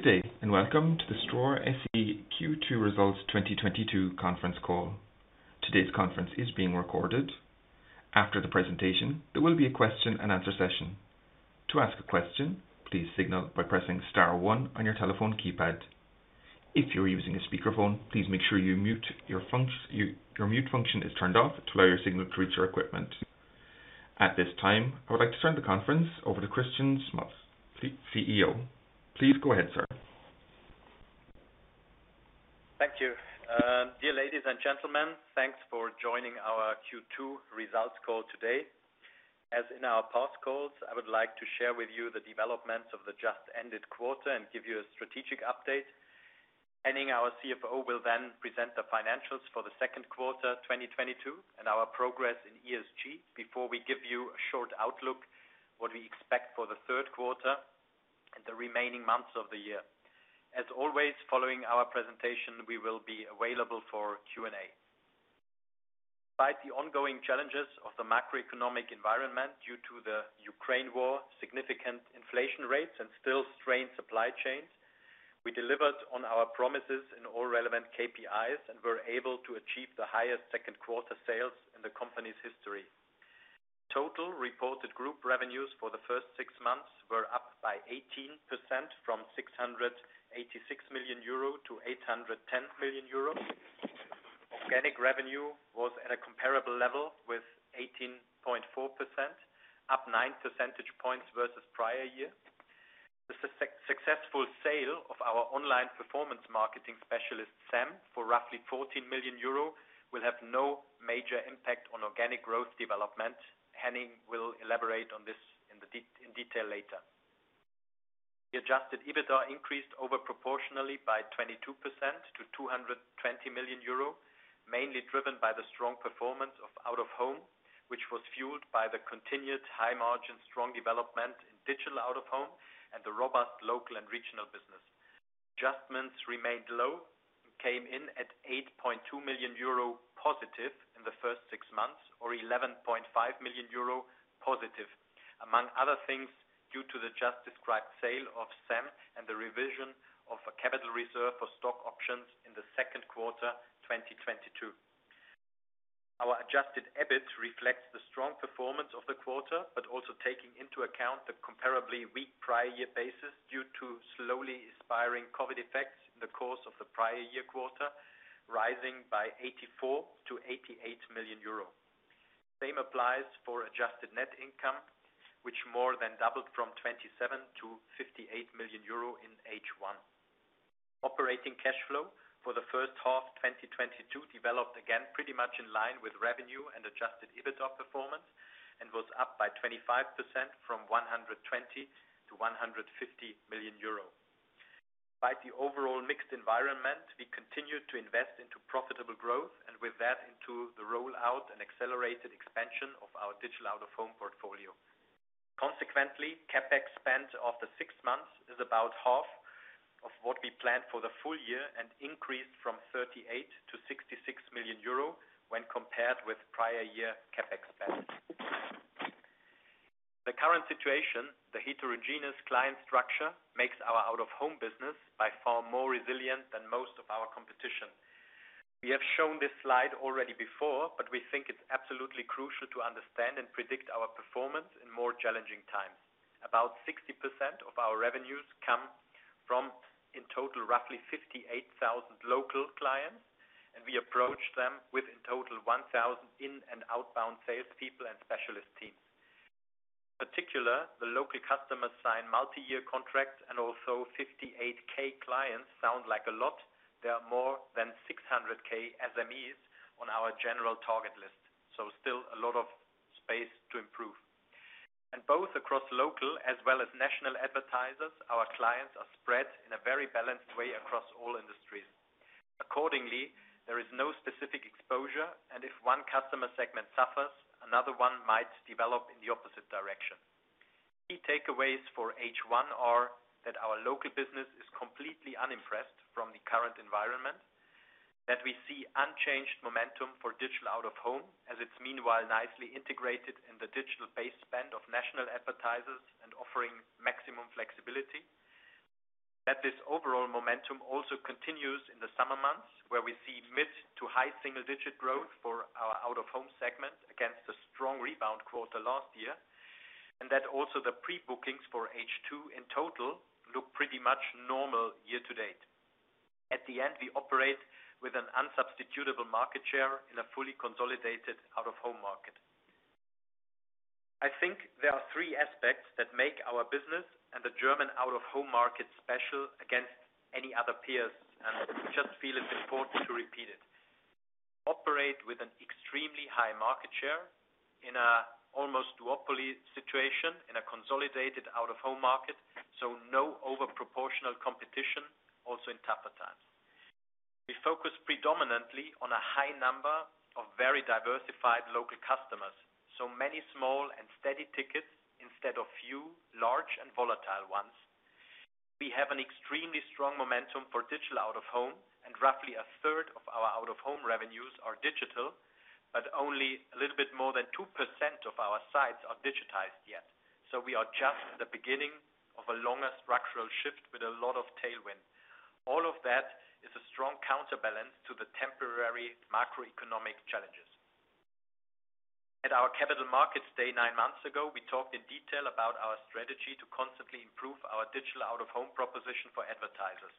Good day, and welcome to the Ströer SE Q2 Results 2022 conference call. Today's conference is being recorded. After the presentation, there will be a question and answer session. To ask a question, please signal by pressing star one on your telephone keypad. If you're using a speakerphone, please make sure your mute function is turned off to allow your signal to reach our equipment. At this time, I would like to turn the conference over to Christian Schmalzl, Co-CEO. Please go ahead, sir. Thank you. Dear ladies and gentlemen, thanks for joining our Q2 results call today. As in our past calls, I would like to share with you the developments of the just ended quarter and give you a strategic update. Henning, our CFO, will then present the financials for the second quarter 2022 and our progress in ESG, before we give you a short outlook, what we expect for the third quarter and the remaining months of the year. As always, following our presentation, we will be available for Q&A. Despite the ongoing challenges of the macroeconomic environment due to the Ukraine war, significant inflation rates and still strained supply chains, we delivered on our promises in all relevant KPIs and were able to achieve the highest second quarter sales in the company's history. Total reported group revenues for the first six months were up by 18% from 686 million-810 million euro. Organic revenue was at a comparable level with 18.4%, up nine percentage points versus prior year. The successful sale of our online performance marketing specialist, SEM, for roughly 14 million euro, will have no major impact on organic growth development. Henning will elaborate on this in detail later. The Adjusted EBITDA increased over proportionally by 22% to 220 million euro, mainly driven by the strong performance of Out-of-home, which was fueled by the continued high margin, strong development in Digital Out-of-home and the robust local and regional business. Adjustments remained low, and came in at 8.2 million euro positive in the first six months or 11.5 million euro positive, among other things, due to the just described sale of SEM and the revision of a capital reserve for stock options in the second quarter 2022. Our adjusted EBIT reflects the strong performance of the quarter, but also taking into account the comparably weak prior year basis due to slowly expiring COVID-19 effects in the course of the prior year quarter, rising by 84 million-88 million euro. Same applies for adjusted net income, which more than doubled from 27 million-58 million euro in H1. Operating cash flow for the first half 2022 developed again pretty much in line with revenue and Adjusted EBITDA performance and was up by 25% from 120 million-150 million euro. In the overall mixed environment, we continued to invest into profitable growth and with that into the rollout and accelerated expansion of our digital Out-of-home portfolio. Consequently, CapEx spend after six months is about half of what we planned for the full year and increased from 38 million-66 million euro when compared with prior year CapEx spend. The current situation, the heterogeneous client structure, makes our Out-of-home business by far more resilient than most of our competition. We have shown this slide already before, but we think it's absolutely crucial to understand and predict our performance in more challenging times. About 60% of our revenues come from, in total, roughly 58,000 local clients, and we approach them with in total 1,000 inbound and outbound salespeople and specialist teams. In particular, the local customers sign multi-year contracts and also 58,000 clients sound like a lot. There are more than 600,000 SMEs on our general target list, so still a lot of space to improve. Both across local as well as national advertisers, our clients are spread in a very balanced way across all industries. Accordingly, there is no specific exposure, and if one customer segment suffers, another one might develop in the opposite direction. Key takeaways for H1 are that our local business is completely unimpressed from the current environment. That we see unchanged momentum for Digital Out-of-home as it's meanwhile nicely integrated in the digital base spend of national advertisers and offering maximum flexibility. That this overall momentum also continues in the summer months, where we see mid- to high-single-digit growth for our Out-of-home segment against a strong rebound quarter last year. That also the pre-bookings for H2 in total look pretty much normal year to date. At the end, we operate with an unsubstitutable market share in a fully consolidated Out-of-home market. I think there are three aspects that make our business and the German Out-of-home market special against any other peers, and I just feel it's important to repeat it. We operate with an extremely high market share in an almost duopoly situation in a consolidated Out-of-home market, so no disproportionate competition also in tougher times. We focus predominantly on a high number of very diversified local customers, so many small and steady tickets instead of few large and volatile ones. We have an extremely strong momentum for Digital Out-of-home, and roughly a third of our Out-of-home revenues are digital. Only a little bit more than 2% of our sites are digitized yet. We are just at the beginning of a longer structural shift with a lot of tailwind. All of that is a strong counterbalance to the temporary macroeconomic challenges. At our Capital Markets Day nine months ago, we talked in detail about our strategy to constantly improve our Digital Out-of-home proposition for advertisers.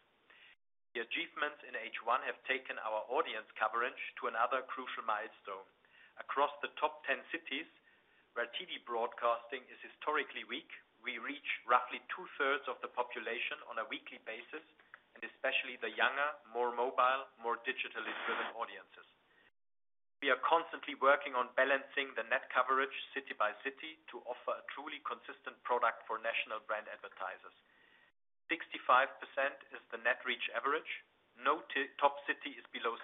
The achievements in H1 have taken our audience coverage to another crucial milestone. Across the top 10 cities where TV broadcasting is historically weak, we reach roughly two-thirds of the population on a weekly basis, and especially the younger, more mobile, more digitally driven audiences. We are constantly working on balancing the net coverage city by city to offer a truly consistent product for national brand advertisers. 65% is the net reach average. No top city is below 60%,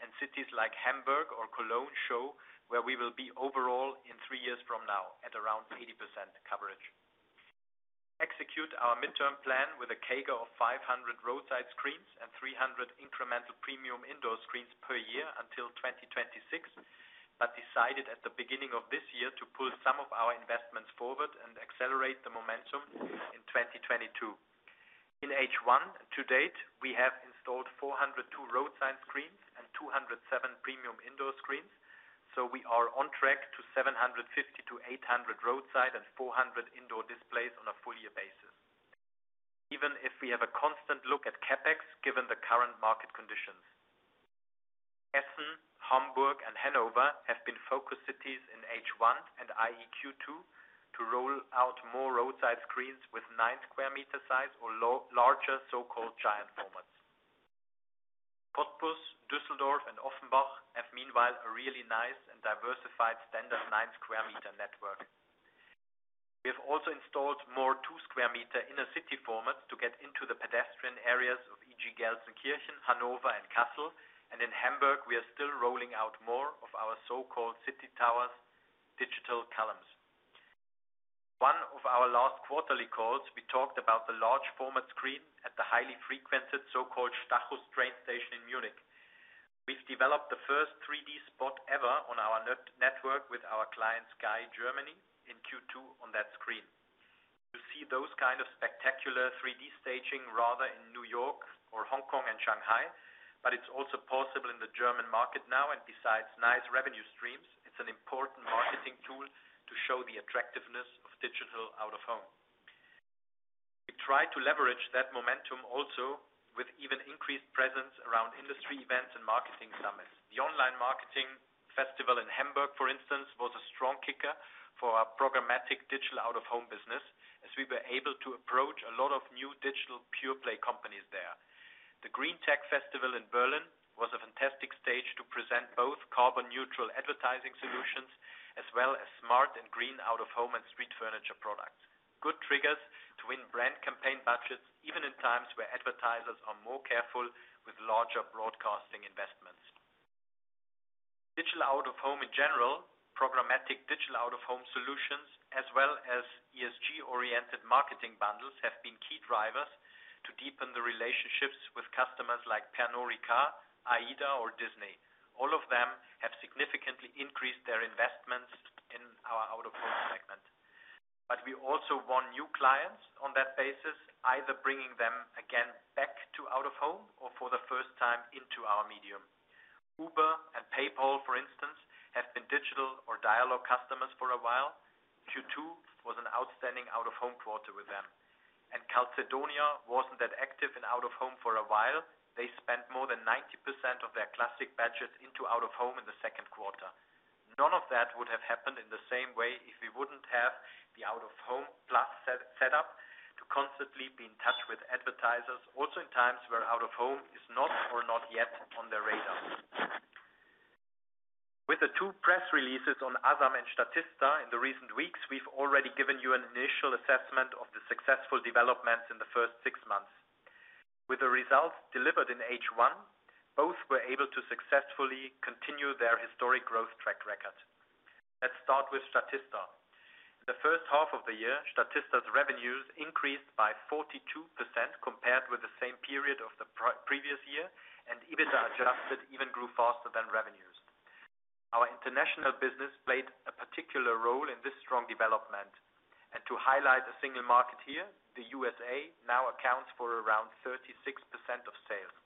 and cities like Hamburg or Cologne show where we will be overall in three years from now at around 80% coverage. Execute our midterm plan with a CAGR of 500 roadside screens and 300 incremental premium indoor screens per year until 2026, but decided at the beginning of this year to pull some of our investments forward and accelerate the momentum in 2022. In H1 to date, we have installed 402 roadside screens and 207 premium indoor screens, so we are on track to 750-800 roadside and 400 indoor displays on a full year basis. Even if we have a constant look at CapEx, given the current market conditions. Essen, Hamburg, and Hanover have been focus cities in H1 and, i.e., Q2 to roll out more roadside screens with nine square meter size or larger, so-called Giant Formats. Cottbus, Düsseldorf, and Offenbach have meanwhile a really nice and diversified standard nine square meter network. We have also installed more two square meter inner city formats to get into the pedestrian areas of e.g. Gelsenkirchen, Hanover and Kassel. In Hamburg, we are still rolling out more of our so-called City Towers, digital columns. One of our last quarterly calls, we talked about the large format screen at the highly frequented so-called Stachus train station in Munich. We've developed the first 3D spot ever on our network with our client, Sky Deutschland, in Q2 on that screen. You see those kind of spectacular 3D staging rather in New York or Hong Kong and Shanghai, but it's also possible in the German market now, and besides nice revenue streams, it's an important marketing tool to show the attractiveness of digital Out-of-home. We try to leverage that momentum also with even increased presence around industry events and marketing summits. The online marketing festival in Hamburg, for instance, was a strong kicker for our Programmatic Digital Out-of-home business, as we were able to approach a lot of new digital pure play companies there. The GreenTech Festival in Berlin was a fantastic stage to present both carbon neutral advertising solutions as well as smart and green Out-of-home and street furniture products. Good triggers to win brand campaign budgets, even in times where advertisers are more careful with larger broadcasting investments. Digital Out-of-home in general, Programmatic Digital Out-of-home solutions, as well as ESG-oriented marketing bundles, have been key drivers to deepen the relationships with customers like Panorica, AIDA or Disney. All of them have significantly increased their investments in our Out-of-home segment. We also want new clients on that basis, either bringing them again back to Out-of-home or for the first time into our medium. Uber and PayPal, for instance, have been digital or dialogue customers for a while. Q2 was an outstanding Out-of-home quarter with them. Calzedonia wasn't that active in Out-of-home for a while. They spent more than 90% of their classic budgets into Out-of-home in the second quarter. None of that would have happened in the same way if we wouldn't have the Out-of-home plus set up to constantly be in touch with advertisers, also in times where Out-of-home is not or not yet on their radar. With the two press releases on Asam and Statista in the recent weeks, we've already given you an initial assessment of the successful developments in the first six months. With the results delivered in H1, both were able to successfully continue their historic growth track record. Let's start with Statista. The first half of the year, Statista's revenues increased by 42% compared with the same period of the pre-previous year, and EBITDA adjusted even grew faster than revenues. Our international business played a particular role in this strong development. To highlight a single market here, the U.S.A., now accounts for around 36% of sales.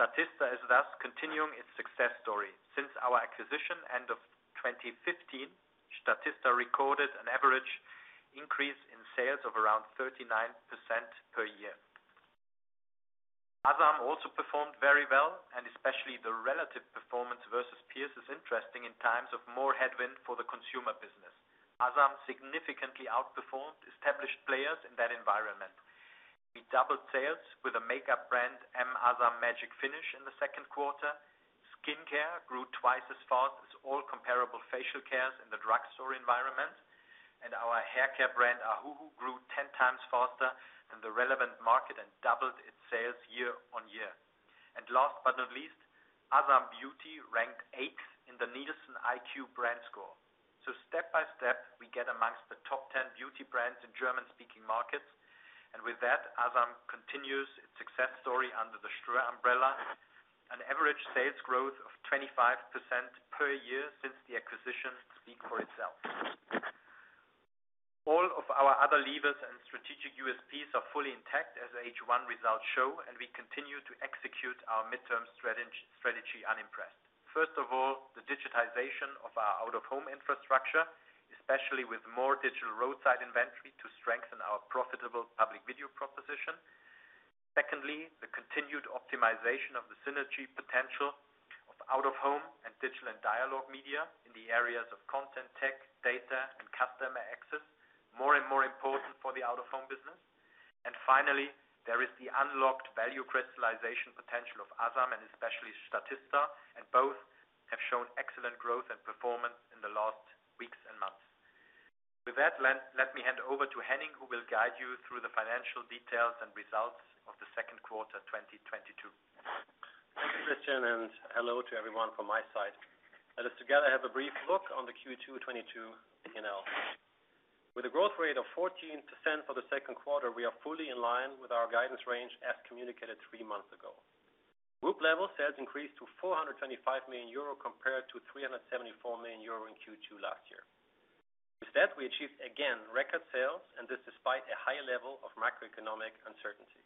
Statista is thus continuing its success story. Since our acquisition end of 2015, Statista recorded an average increase in sales of around 39% per year. Asam also performed very well, and especially the relative performance versus peers is interesting in times of more headwind for the consumer business. Asam significantly outperformed established players in that environment. We doubled sales with a makeup brand, M. Asam Magic Finish, in the second quarter. Skincare grew twice as fast as all comparable facial cares in the drugstore environment, and our haircare brand, Ahuhu, grew ten times faster than the relevant market and doubled its sales year on year. Last but not least, Asam Beauty ranked eighth in the NielsenIQ brand score. Step by step, we get amongst the top 10 beauty brands in German-speaking markets. With that, Asam continues its success story under the Ströer umbrella. An average sales growth of 25% per year since the acquisition speak for itself. All of our other levers and strategic USPs are fully intact, as H1 results show, and we continue to execute our midterm strategy unimpressed. First of all, the digitization of our Out-of-home infrastructure, especially with more digital roadside inventory to strengthen our profitable public video proposition. Secondly, the continued optimization of the synergy potential of Out-of-home and digital and dialogue media in the areas of content, tech, data, and customer access, more and more important for the Out-of-home business. Finally, there is the unlocked value crystallization potential of Asam and especially Statista, and both have shown excellent growth and performance in the last weeks and months. With that, let me hand over to Henning, who will guide you through the financial details and results of the second quarter, 2022. Thank you, Christian, and hello to everyone from my side. Let us together have a brief look on the Q2 2022 P&L. With a growth rate of 14% for the second quarter, we are fully in line with our guidance range as communicated three months ago. Group level sales increased to 425 million euro compared to 374 million euro in Q2 last year. With that, we achieved again record sales, and this despite a high level of macroeconomic uncertainty.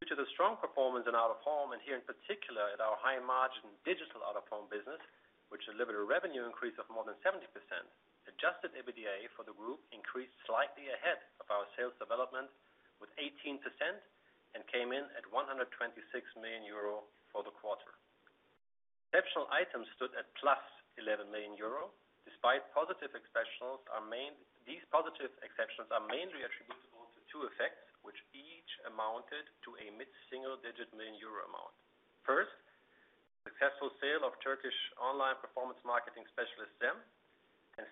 Due to the strong performance in Out-of-home, and here in particular at our high margin digital Out-of-home business, which delivered a revenue increase of more than 70%, Adjusted EBITDA for the group increased slightly ahead of our sales development with 18% and came in at 126 million euro for the quarter. Exceptional items stood at +11 million euro. These positive exceptions are mainly attributable to two effects, which each amounted to a mid-single-digit million euro amount. First, successful sale of Turkish online performance marketing specialist, Zem.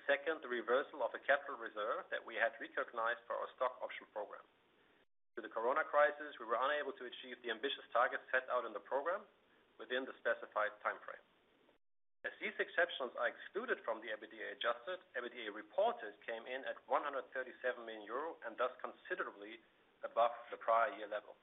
Second, the reversal of a capital reserve that we had recognized for our stock option program. Due to the corona crisis, we were unable to achieve the ambitious targets set out in the program within the specified timeframe. As these exceptions are excluded Adjusted EBITDA, reported ebitda came in at 137 million euro and thus considerably above the prior year level.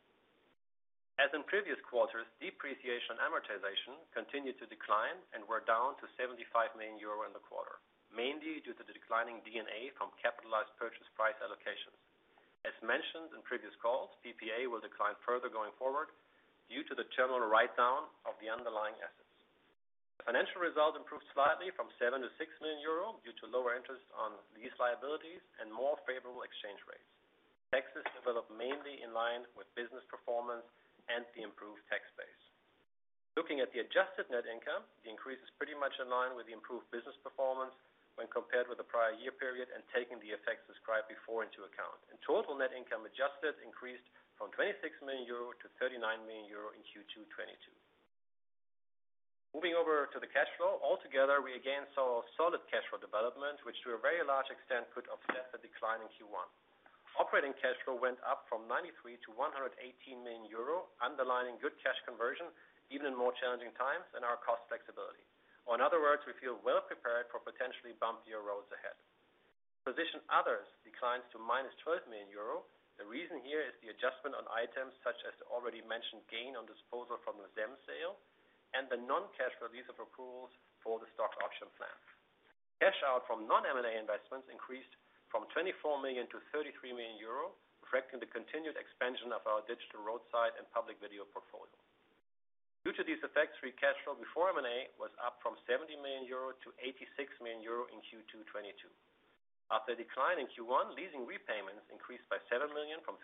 As in previous quarters, depreciation and amortization continued to decline and were down to 75 million euro in the quarter, mainly due to the declining D&A from capitalized purchase price allocations. As mentioned in previous calls, PPA will decline further going forward due to the general write down of the underlying assets. The financial result improved slightly from 7 million-6 million euro due to lower interest on these liabilities and more favorable exchange rates. Taxes developed mainly in line with business performance and the improved tax base. Looking at the adjusted net income, the increase is pretty much in line with the improved business performance when compared with the prior year period and taking the effects described before into account. In total net income adjusted increased from 26 million-39 million euro in Q2 2022. Moving over to the cash flow. Altogether, we again saw solid cash flow development, which to a very large extent could offset the decline in Q1. Operating cash flow went up from 93 million-118 million euro, underlining good cash conversion even in more challenging times and our cost flexibility. In other words, we feel well prepared for potentially bumpier roads ahead. Investing activities declined to -12 million euro. The reason here is the adjustment on items such as the already mentioned gain on disposal from the Zem sale and the non-cash release of provisions for the stock option plan. Cash outflows from non-M&A investments increased from 24 million-33 million euro, reflecting the continued expansion of our digital roadside and public video portfolio. Due to these effects, free cash flow before M&A was up from 70 million-86 million euro in Q2 2022. After decline in Q1, leasing repayments increased by 7 million from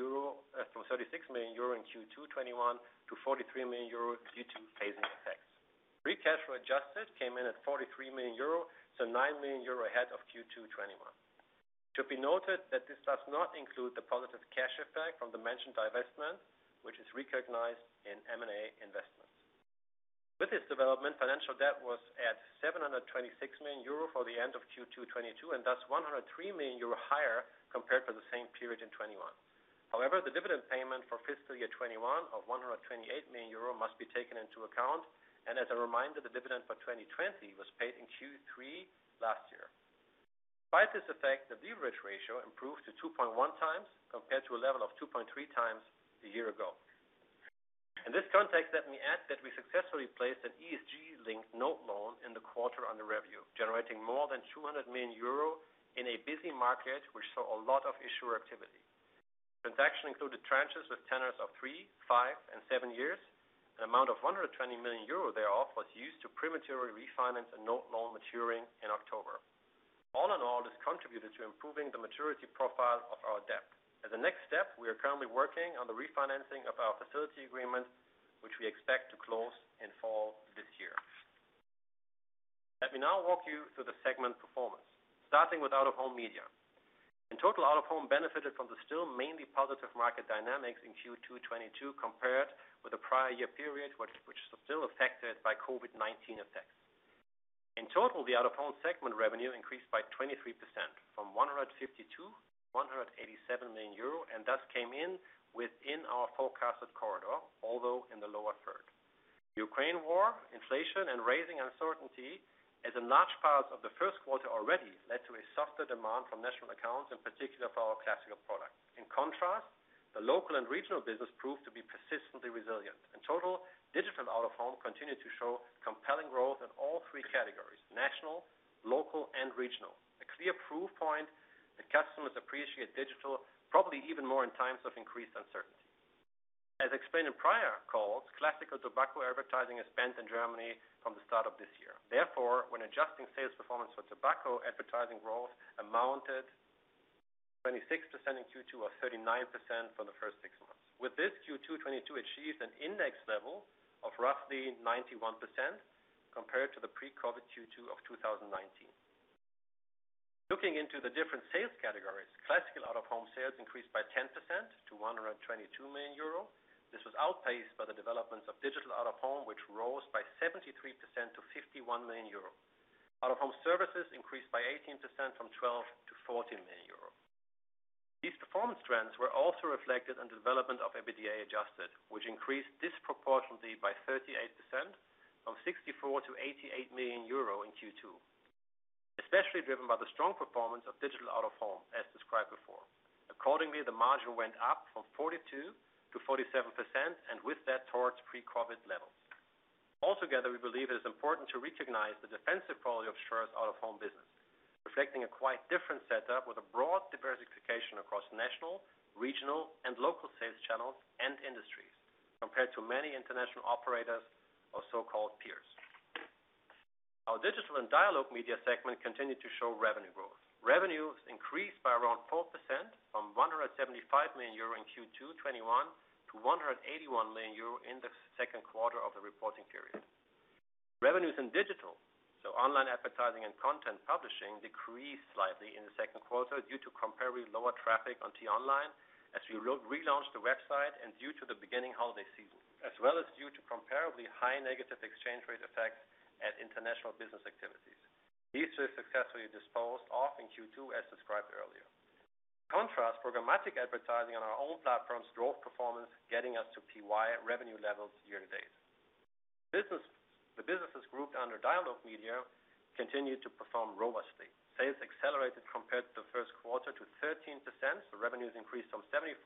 36 million euro in Q2 2021 to 43 million euro due to phasing effects. Free cash flow adjusted came in at 43 million euro, so 9 million euro ahead of Q2 2021. To be noted that this does not include the positive cash effect from the mentioned divestment, which is recognized in M&A investments. With this development, financial debt was at 726 million euro for the end of Q2 2022, and thus 103 million euro higher compared to the same period in 2021. However, the dividend payment for fiscal year 2021 of 128 million euro must be taken into account. As a reminder, the dividend for 2020 was paid in Q3 last year. Despite this effect, the leverage ratio improved to 2.1x compared to a level of 2.3x a year ago. In this context, let me add that we successfully placed an ESG-linked note loan in the quarter under review, generating more than 200 million euro in a busy market, which saw a lot of issuer activity. The transaction included tranches with tenors of 3, 5, and 7 years. An amount of 120 million euro thereof was used to prematurely refinance a note loan maturing in October. All in all, this contributed to improving the maturity profile of our debt. As a next step, we are currently working on the refinancing of our facility agreement, which we expect to close in fall this year. Let me now walk you through the segment performance, starting with Out-of-home Media. In total, Out-of-home benefited from the still mainly positive market dynamics in Q2 2022 compared with the prior year period, which is still affected by COVID-19 effects. In total, the Out-of-home segment revenue increased by 23% from 152 million-187 million euro, and thus came in within our forecasted corridor, although in the lower third. Ukraine war, inflation and rising uncertainty as a large part of the first quarter already led to a softer demand from national accounts, in particular for our classical products. In contrast, the local and regional business proved to be persistently resilient. In total, Digital Out-of-home continued to show compelling growth in all three categories national, local, and regional. A clear proof point that customers appreciate digital, probably even more in times of increased uncertainty. As explained in prior calls, classical tobacco advertising is spent in Germany from the start of this year. Therefore, when adjusting sales performance for tobacco, advertising growth amounted 26% in Q2 or 39% for the first six months. With this Q2 2022 achieves an index level of roughly 91% compared to the pre-COVID Q2 of 2019. Looking into the different sales categories, classical Out-of-home sales increased by 10% to 122 million euro. This was outpaced by the developments of Digital Out-of-home, which rose by 73% to 51 million euro. Out-of-home services increased by 18% from 12 million-14 million euro. These performance trends were also reflected in the development of EBITDA adjusted, which increased disproportionately by 38% from 64 million-88 million euro in Q2. Especially driven by the strong performance of Digital Out-of-home, as described before. Accordingly, the margin went up from 42%-47% and with that towards pre-COVID levels. Altogether, we believe it is important to recognize the defensive quality of Ströer's Out-of-home business, reflecting a quite different setup with a broad diversification across national, regional, and local sales channels and industries, compared to many international operators or so-called peers. Our digital and dialogue media segment continued to show revenue growth. Revenues increased by around 4% from 175 million euro in Q2 2021 to 181 million euro in the second quarter of the reporting period. Revenues in digital, so online advertising and content publishing decreased slightly in the second quarter due to comparably lower traffic on T-Online as we re-launched the website and due to the beginning holiday season. As well as due to comparably high negative exchange rate effects at international business activities. These were successfully disposed of in Q2 as described earlier. In contrast, programmatic advertising on our own platforms drove performance, getting us to PY at revenue levels year to date. The businesses grouped under Dialog Media continued to perform robustly. Sales accelerated compared to the first quarter to 13%. Revenues increased from 74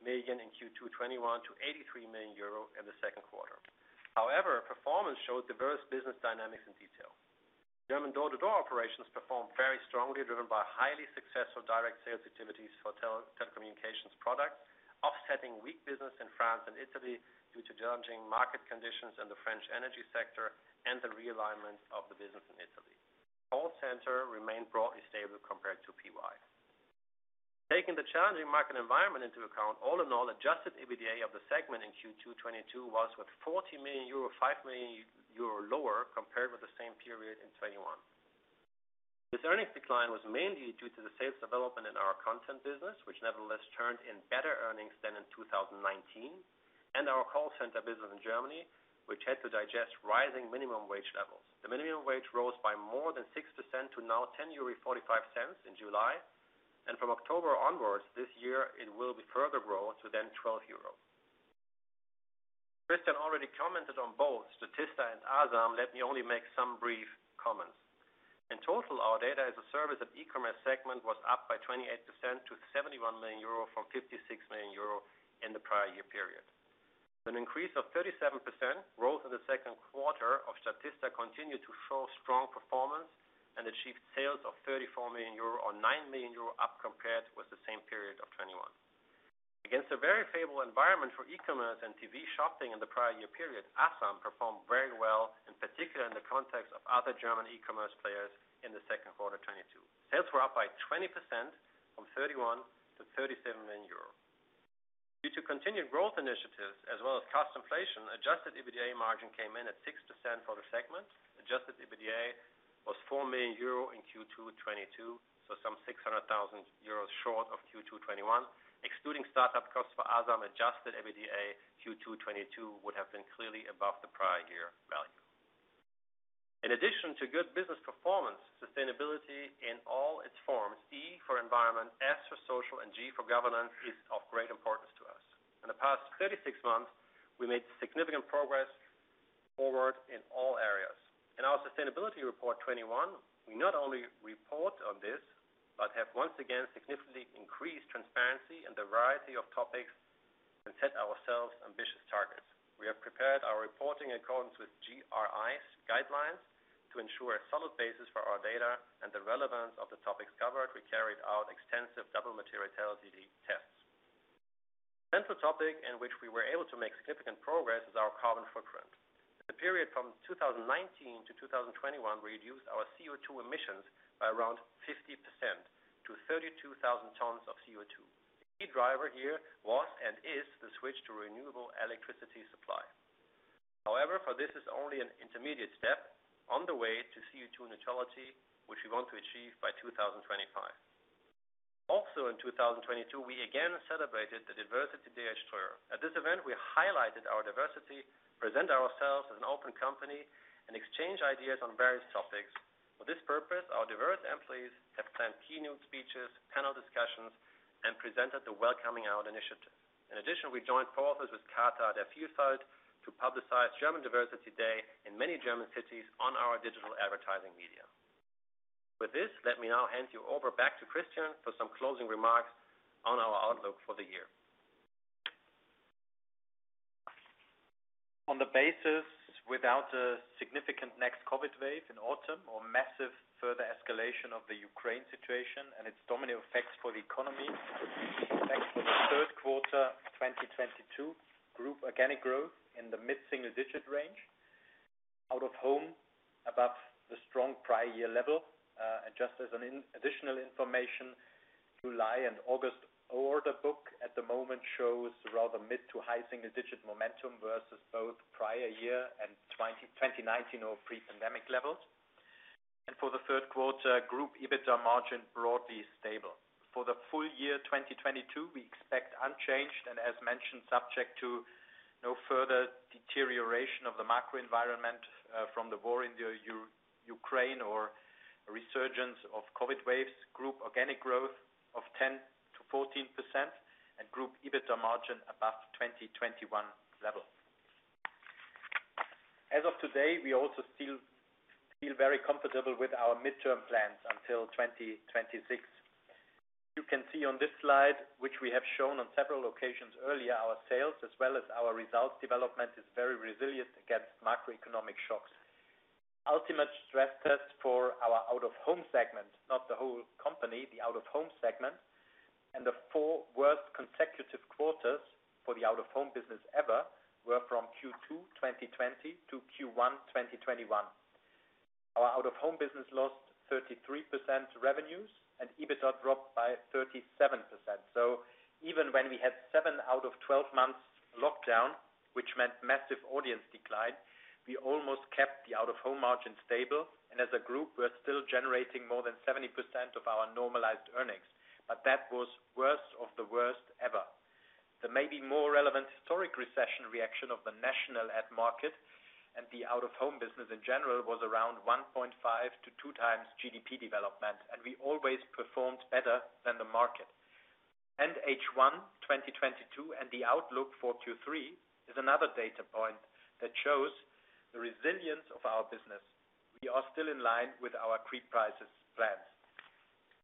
million in Q2 2021 to 83 million euro in the second quarter. However, performance showed diverse business dynamics in detail. German door-to-door operations performed very strongly, driven by highly successful direct sales activities for telecommunications products, offsetting weak business in France and Italy due to challenging market conditions in the French energy sector and the realignment of the business in Italy. Call center remained broadly stable compared to PY. Taking the challenging market environment into account, all in all, Adjusted EBITDA of the segment in Q2 2022 was with 40 million euro, 5 million euro lower compared with the same period in 2021. This earnings decline was mainly due to the sales development in our content business, which nevertheless turned in better earnings than in 2019, and our call center business in Germany, which had to digest rising minimum wage levels. The minimum wage rose by more than 6% to now 10.45 euro in July, and from October onwards this year it will be further grow to then 12 euro. Christian already commented on both Statista and Asam. Let me only make some brief comments. In total, our data as a service and E-commerce segment was up by 28% to 71 million euro from 56 million euro in the prior year period. An increase of 37% growth in the second quarter of Statista continued to show strong performance and achieved sales of 34 million euro, or 9 million euro up compared with the same period of 2021. Against a very favorable environment for E-commerce and TV shopping in the prior year period, Asam performed very well, in particular in the context of other German E-commerce players in the second quarter 2022. Sales were up by 20% from 31 million-37 million euro. Due to continued growth initiatives as well as cost inflation, Adjusted EBITDA margin came in at 6% for the segment. Adjusted EBITDA was 4 million euro in Q2 2022, so some 600,000 euros short of Q2 2021. Excluding start-up costs for Asam, Adjusted EBITDA Q2 2022 would have been clearly above the prior year value. In addition to good business performance, sustainability in all its forms E for environment, S for social, and G for governance is of great importance to us. In the past 36 months, we made significant progress forward in all areas. In our sustainability report 2021, we not only report on this, but have once again significantly increased transparency in the variety of topics and set ourselves ambitious targets. We have prepared our reporting in accordance with GRI's guidelines to ensure a solid basis for our data and the relevance of the topics covered. We carried out extensive double materiality tests. Central topic in which we were able to make significant progress is our carbon footprint. The period from 2019 to 2021 reduced our CO2 emissions by around 50% to 32,000 tons of CO2. The key driver here was and is the switch to renewable electricity supply. However, this is only an intermediate step on the way to CO2 neutrality, which we want to achieve by 2025. Also in 2022, we again celebrated the Diversity Day at Ströer. At this event, we highlighted our diversity, present ourselves. Open company and exchange ideas on various topics. For this purpose, our diverse employees have planned keynote speeches, panel discussions, and presented the Welcoming Out initiative. In addition,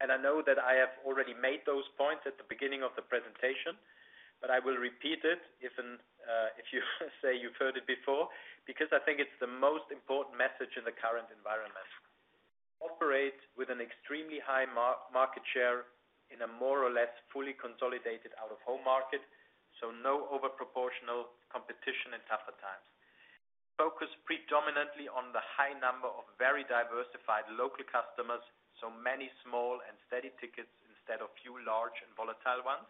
if you've heard it before, because I think it's the most important message in the current environment. Operate with an extremely high market share in a more or less fully consolidated Out-of-home market, so no disproportionate competition in tougher times. Focus predominantly on the high number of very diversified local customers, so many small and steady tickets instead of few large and volatile ones.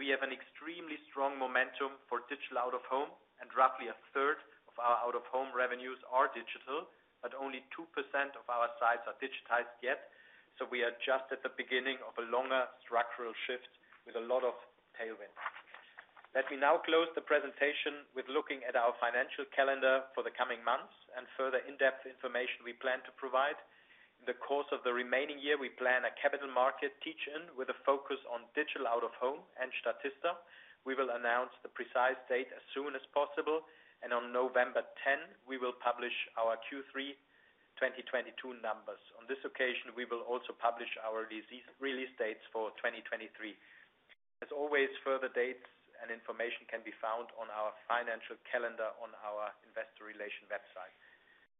We have an extremely strong momentum for digital Out-of-home, and roughly a third of our Out-of-home revenues are digital, but only 2% of our sites are digitized yet. We are just at the beginning of a longer structural shift with a lot of tailwind. Let me now close the presentation with looking at our financial calendar for the coming months and further in-depth information we plan to provide. In the course of the remaining year, we plan a capital market teach-in with a focus on Digital Out-of-home and Statista. We will announce the precise date as soon as possible, and on November 10, we will publish our Q3 2022 numbers. On this occasion, we will also publish our release dates for 2023. As always, further dates and information can be found on our financial calendar on our Investor Relations website.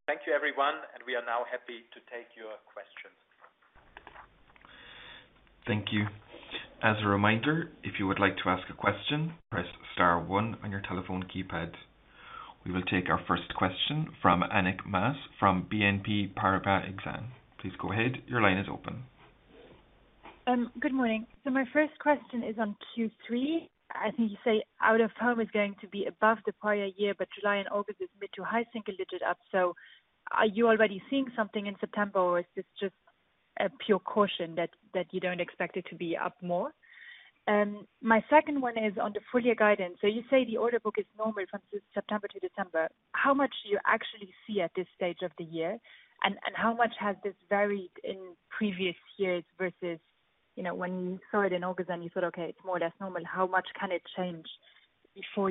Thank you everyone, and we are now happy to take your questions. Thank you. As a reminder, if you would like to ask a question, press star one on your telephone keypad. We will take our first question from Annick Maas from BNP Paribas Exane. Please go ahead. Your line is open. Good morning. My first question is on Q3. I think you say Out-of-home is going to be above the prior year, but July and August is mid- to high-single-digit up. Are you already seeing something in September, or is this just a pure caution that you don't expect it to be up more? My second one is on the full year guidance. You say the order book is normal from September to December. How much do you actually see at this stage of the year, and how much has this varied in previous years versus, you know, when you saw it in August and you thought, okay, it's more or less normal. How much can it change before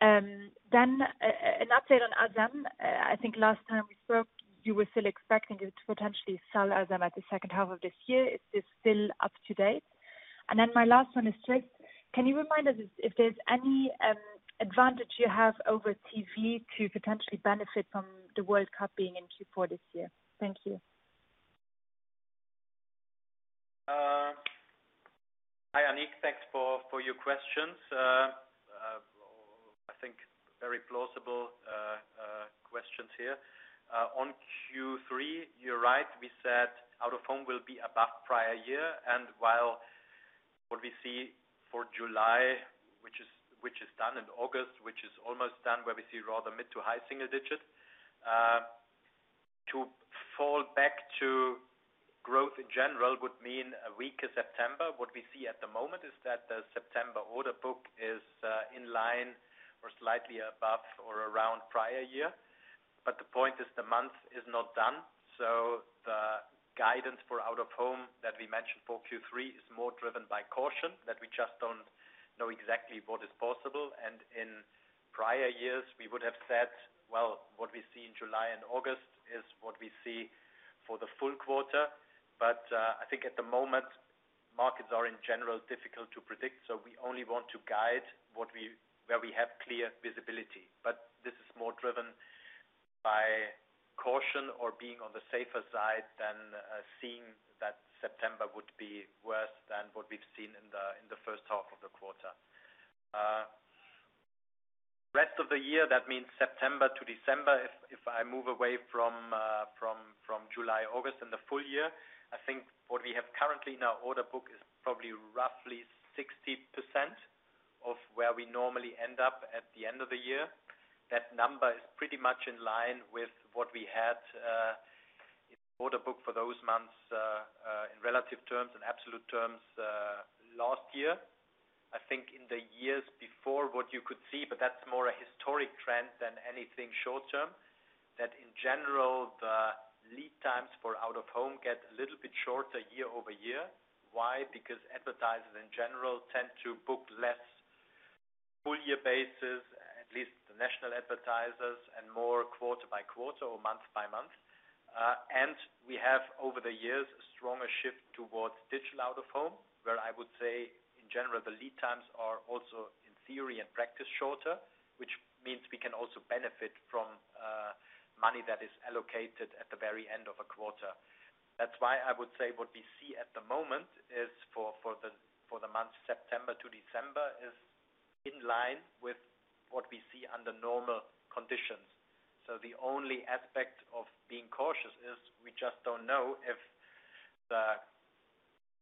year-end? An update on Asam. I think last time we spoke, you were still expecting to potentially sell Asam at the second half of this year. Is this still up to date? My last one is, can you remind us if there's any advantage you have over TV to potentially benefit from the World Cup being in Q4 this year? Thank you. Hi, Annick. Thanks for your questions. I think very plausible questions here. On Q3, you're right. We said Out-of-home will be above prior year. While what we see for July, which is done, August, which is almost done, where we see rather mid- to high-single-digit% growth in general would mean a weaker September. What we see at the moment is that the September order book is in line or slightly above or around prior year. The point is the month is not done. The guidance for Out-of-home that we mentioned for Q3 is more driven by caution that we just don't know exactly what is possible. In prior years, we would have said, well, what we see in July and August is what we see for the full quarter. I think at the moment, markets are, in general, difficult to predict, so we only want to guide where we have clear visibility. This is more driven by caution or being on the safer side than seeing that September would be worse than what we've seen in the first half of the quarter. Rest of the year, that means September to December. If I move away from July, August and the full year, I think what we have currently in our order book is probably roughly 60% of where we normally end up at the end of the year. That number is pretty much in line with what we had in the order book for those months in relative terms, in absolute terms last year. I think in the years before, what you could see, but that's more a historic trend than anything short term, that in general, the lead times for Out-of-home get a little bit shorter year-over-year. Why? Because advertisers in general tend to book less full year basis, at least the national advertisers, and more quarter-by-quarter or month-by-month. And we have, over the years, a stronger shift towards Digital Out-of-home, where I would say, in general, the lead times are also, in theory and practice, shorter, which means we can also benefit from money that is allocated at the very end of a quarter. That's why I would say what we see at the moment is for the months September to December is in line with what we see under normal conditions. The only aspect of being cautious is we just don't know if the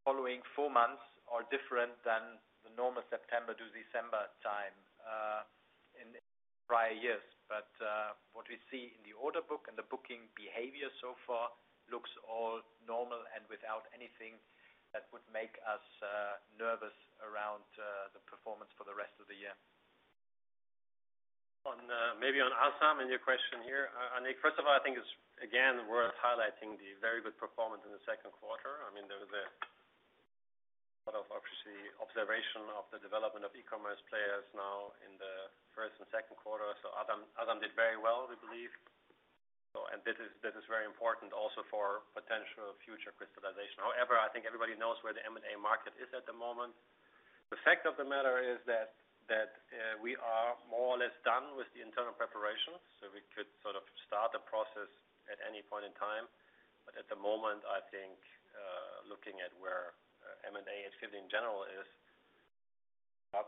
following four months are different than the normal September to December time in prior years. What we see in the order book and the booking behavior so far looks all normal and without anything that would make us nervous around the performance for the rest of the year. On maybe on Asam and your question here, first of all, I think it's again worth highlighting the very good performance in the second quarter. I mean, there was a lot of obvious observation of the development of E-commerce players now in the first and second quarter. Asam did very well, we believe. And this is very important also for potential future crystallization. However, I think everybody knows where the M&A market is at the moment. The fact of the matter is that we are more or less done with the internal preparation, so we could sort of start the process at any point in time. At the moment, I think looking at where M&A activity in general is, we have not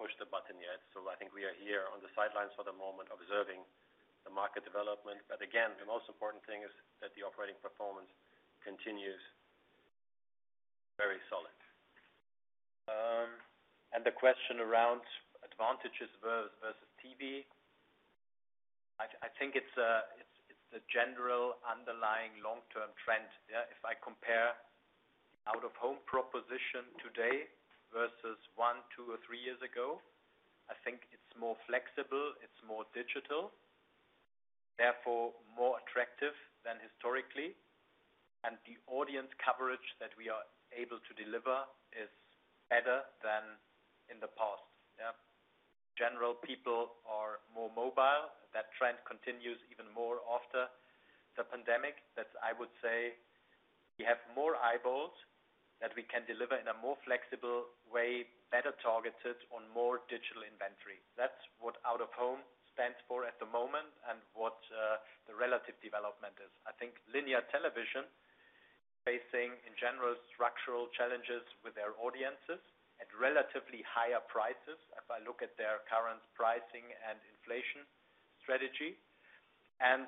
pushed the button yet. I think we are here on the sidelines for the moment, observing the market development. Again, the most important thing is that the operating performance continues very solid. The question around advantages versus TV, I think it's the general underlying long-term trend, yeah. If I compare Out-of-home proposition today versus one, two or three years ago, I think it's more flexible, it's more digital, therefore more attractive than historically. The audience coverage that we are able to deliver is better than in the past. Yeah. Generally people are more mobile. That trend continues even more after the pandemic. That I would say we have more eyeballs that we can deliver in a more flexible way, better targeted on more digital inventory. That's what Out-of-home stands for at the moment and what the relative development is. I think linear television is facing, in general, structural challenges with their audiences at relatively higher prices, if I look at their current pricing and inflation strategy, and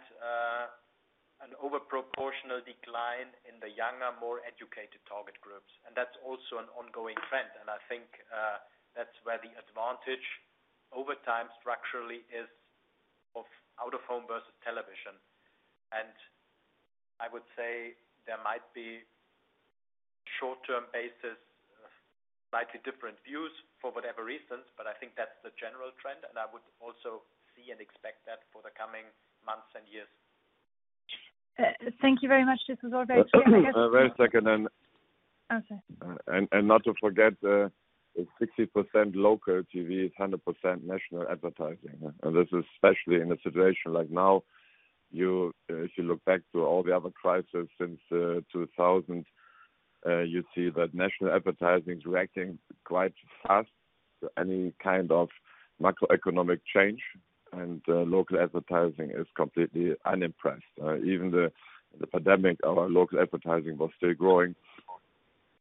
an overproportional decline in the younger, more educated target groups. That's also an ongoing trend, and I think that's where the advantage over time structurally is of Out-of-home versus television. I would say there might be short-term biases slightly different views for whatever reasons, but I think that's the general trend, and I would also see and expect that for the coming months and years. Thank you very much. Wait a second then. Oh, sorry. Not to forget, 60% local TV is 100% national advertising. This is especially in a situation like now, if you look back to all the other crises since 2000, you see that national advertising is reacting quite fast to any kind of macroeconomic change, and local advertising is completely unimpressed. Even the pandemic, our local advertising was still growing.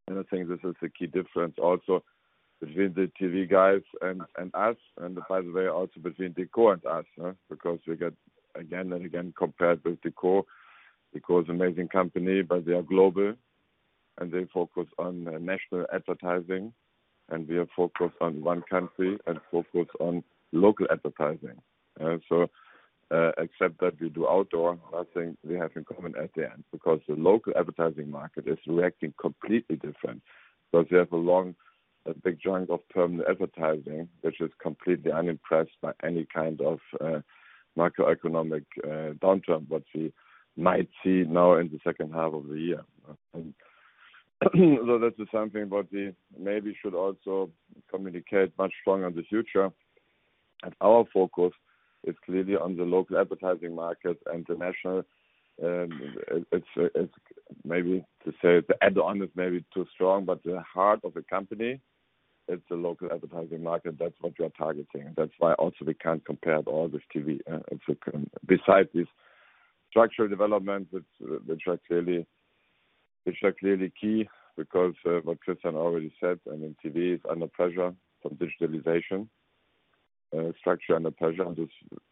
I think this is the key difference also between the TV guys and us, and by the way, also between JCDecaux and us, because we get again and again compared with JCDecaux. JCDecaux is amazing company, but they are global. They focus on national advertising, and we are focused on one country and focused on local advertising. Except that we do outdoor, I think we have in common at the end because the local advertising market is reacting completely different. We have a big chunk of permanent advertising, which is completely unimpressed by any kind of macroeconomic downturn what we might see now in the second half of the year. That is something what we maybe should also communicate much stronger in the future. Our focus is clearly on the local advertising market. International, it's maybe to say the add-on is maybe too strong, but the heart of the company is the local advertising market. That's what you are targeting. That's why we also can't compare all the TV if we can. Besides this structural development, which are clearly key because what Christian already said, I mean, TV is under pressure from digitalization, structural under pressure. This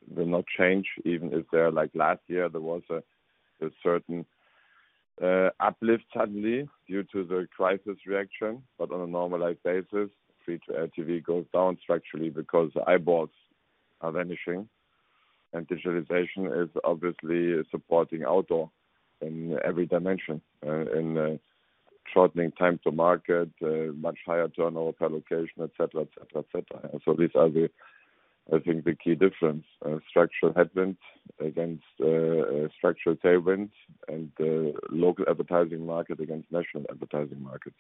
will not change even if, like last year, there was a certain uplift suddenly due to the crisis reaction. But on a normalized basis, free-to-air TV goes down structurally because eyeballs are vanishing and digitalization is obviously supporting outdoor in every dimension, in shortening time to market, much higher turnover per location, et cetera. These are the, I think, the key difference, structural headwinds against structural tailwinds and local advertising market against national advertising markets.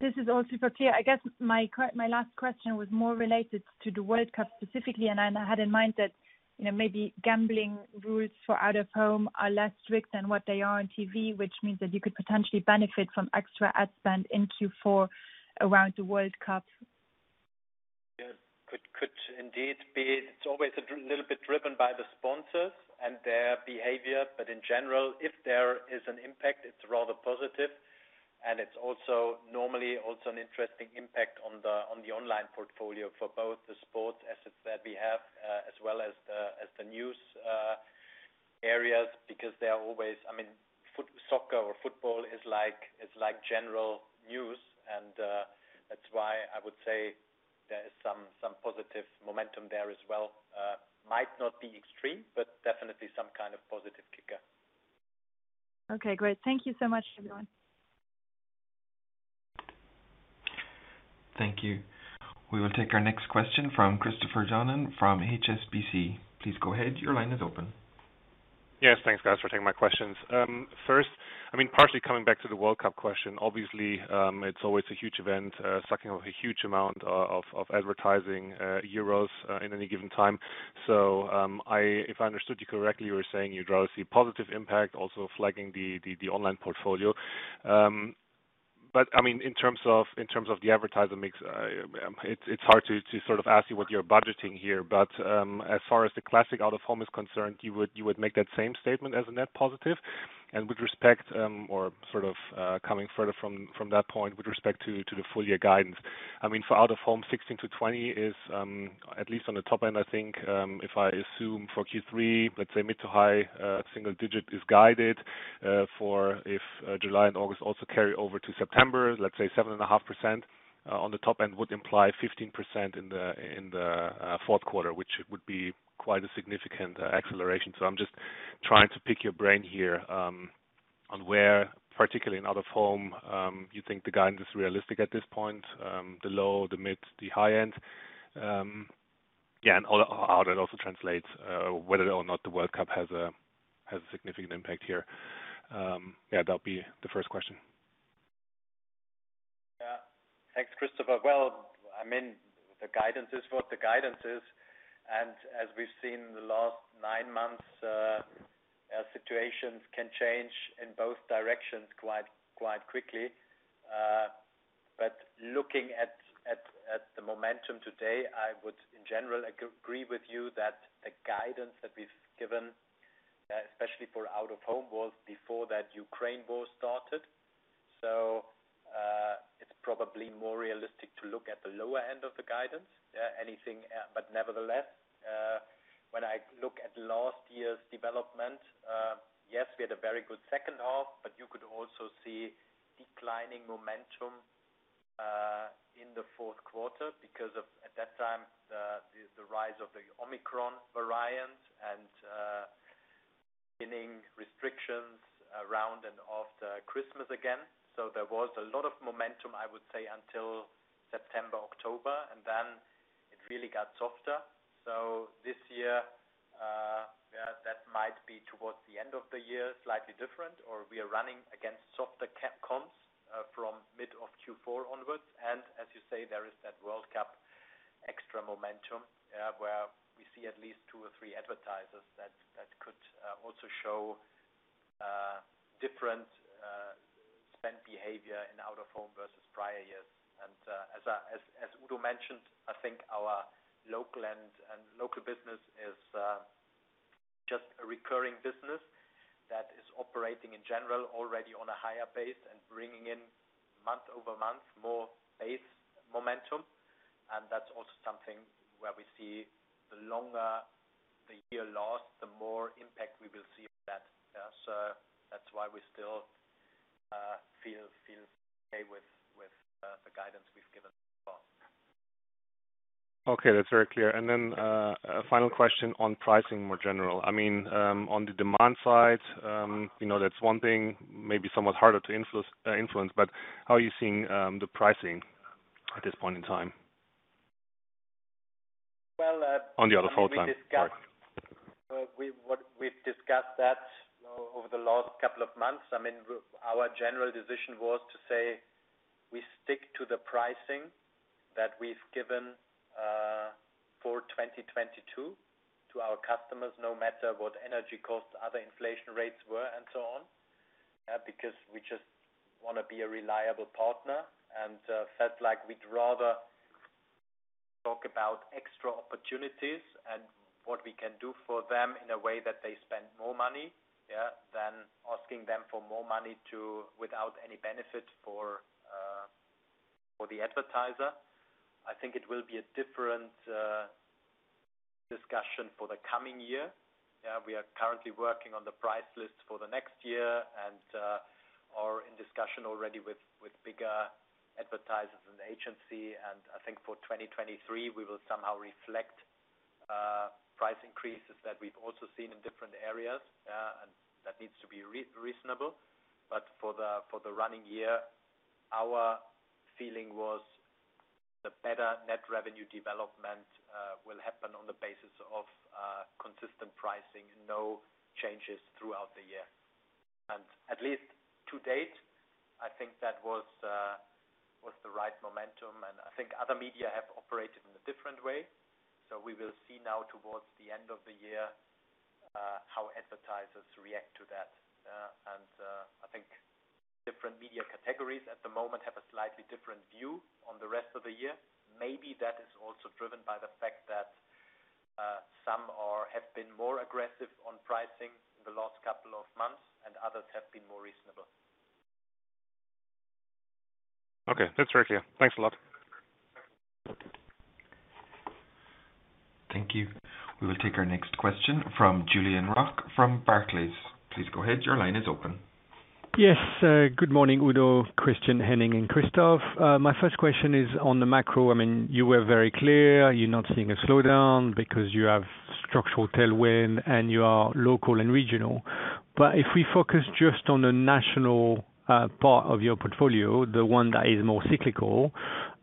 This is all super clear. I guess my last question was more related to the World Cup specifically, and I had in mind that, you know, maybe gambling rules for Out-of-home are less strict than what they are on TV, which means that you could potentially benefit from extra ad spend in Q4 around the World Cup. Yeah. Could indeed be. It's always a little bit driven by the sponsors and their behavior, but in general, if there is an impact, it's rather positive. It's also normally an interesting impact on the online portfolio for both the sports assets that we have, as well as the news areas, because they are always. I mean, soccer or football is like general news, and that's why I would say there is some positive momentum there as well. Might not be extreme, but definitely some kind of positive kicker. Okay, great. Thank you so much, everyone. Thank you. We will take our next question from Christopher Johnen from HSBC. Please go ahead. Your line is open. Yes, thanks, guys, for taking my questions. First, I mean, partially coming back to the World Cup question, obviously, it's always a huge event, sucking up a huge amount of advertising euros in any given time. If I understood you correctly, you were saying you'd rather see positive impact also flagging the online portfolio. I mean, in terms of the advertiser mix, it's hard to sort of ask you what you're budgeting here. As far as the classic Out-of-home is concerned, you would make that same statement as a net positive? With respect, or sort of coming further from that point with respect to the full year guidance. I mean, for Out-of-home, 16%-20% is, at least on the top end, I think, if I assume for Q3, let's say mid- to high-single-digit is guided, if July and August also carry over to September. Let's say 7.5%, on the top end would imply 15% in the fourth quarter, which would be quite a significant acceleration. I'm just trying to pick your brain here, on where, particularly in Out-of-home, you think the guidance is realistic at this point, the low-, the mid-, the high-end. Yeah, and also how that translates, whether or not the World Cup has a significant impact here. Yeah, that'll be the first question. Yeah. Thanks, Christopher. Well, I mean, the guidance is what the guidance is. As we've seen in the last nine months, situations can change in both directions quite quickly. Looking at the momentum today, I would in general agree with you that the guidance that we've given, especially for Out-of-home, was before that Ukraine war started. It's probably more realistic to look at the lower end of the guidance, anything. But nevertheless, when I look at last year's development, yes, we had a very good second half, but you could also see declining momentum in the fourth quarter because of, at that time, the rise of the Omicron variant and beginning restrictions around and after Christmas again. There was a lot of momentum, I would say, until September, October, and then it really got softer. This year, yeah, that might be towards the end of the year, slightly different, or we are running against softer cap comps from mid of Q4 onwards. As you say, there is that World Cup extra momentum, where we see at least two or three advertisers that could also show different spend behavior in Out-of-home versus prior years. As Udo mentioned, I think our local business is just a recurring business that is operating in general already on a higher base and bringing in month-over-month more base momentum. That's also something where we see the longer the year lasts, the more impact we will see on that. Yeah. That's why we still feel okay with the guidance we've given so far. Okay. That's very clear. A final question on pricing, more general. I mean, on the demand side, you know, that's one thing maybe somewhat harder to influence, but how are you seeing the pricing at this point in time? Well, On the Out-of-home side. Sorry. We've discussed that over the last couple of months. I mean, our general decision was to say we stick to the pricing that we've given for 2022 to our customers, no matter what energy costs, other inflation rates were, and so on. Because we just wanna be a reliable partner, and felt like we'd rather talk about extra opportunities and what we can do for them in a way that they spend more money, yeah, than asking them for more money without any benefit for the advertiser. I think it will be a different discussion for the coming year. Yeah, we are currently working on the price list for the next year and are in discussion already with bigger advertisers and agency. I think for 2023, we will somehow reflect price increases that we've also seen in different areas. That needs to be reasonable. For the running year, our feeling was the better net revenue development will happen on the basis of consistent pricing, no changes throughout the year. At least to date, I think that was the right momentum, and I think other media have operated in a different way. We will see now towards the end of the year how advertisers react to that. I think different media categories at the moment have a slightly different view on the rest of the year. Maybe that is also driven by the fact that some have been more aggressive on pricing in the last couple of months, and others have been more reasonable. Okay. That's very clear. Thanks a lot. Welcome. Thank you. We will take our next question from Julien Roch from Barclays. Please go ahead. Your line is open. Yes. Good morning, Udo, Christian, Henning, and Christoph. My first question is on the macro. I mean, you were very clear you're not seeing a slowdown because you have structural tailwind and you are local and regional. But if we focus just on the national, part of your portfolio, the one that is more cyclical,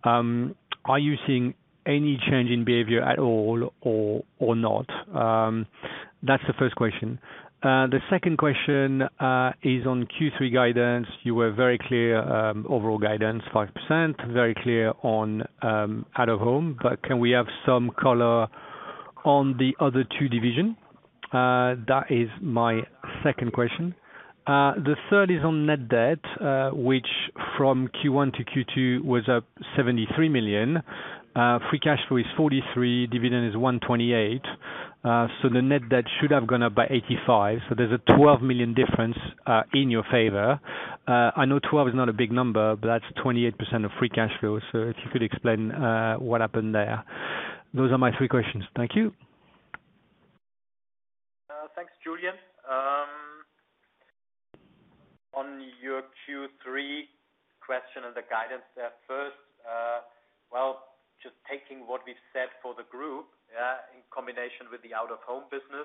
are you seeing any change in behavior at all or not? That's the first question. The second question is on Q3 guidance. You were very clear, overall guidance, 5%, very clear on, out of home. But can we have some color on the other two division? The third is on net debt, which from Q1 to Q2 was up 73 million. Free cash flow is 43 million, dividend is 128 million. The net debt should have gone up by 85 million. There's a 12 million difference in your favor. I know 12 is not a big number, but that's 28% of free cash flow. If you could explain what happened there? Those are my three questions. Thank you. Thanks, Julian. On your Q3 question and the guidance there first, well, just taking what we've said for the group, in combination with the Out-of-home business.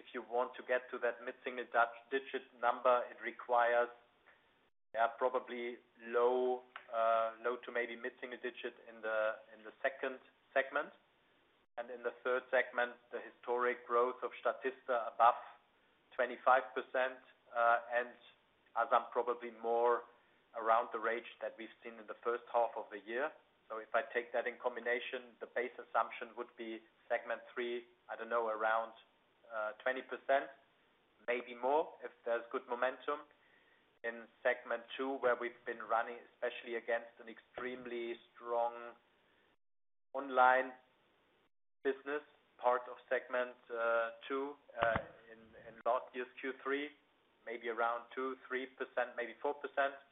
If you want to get to that mid double-digit number, it requires, probably low to maybe mid single digit in the second segment. In the third segment, the historic growth of Statista above 25%, and as I'm probably more around the range that we've seen in the first half of the year. If I take that in combination, the base assumption would be segment three, I don't know, around 20%, maybe more, if there's good momentum. In segment two, where we've been running, especially against an extremely strong online business, part of segment two, in last year's Q3, maybe around 2-3%, maybe 4%,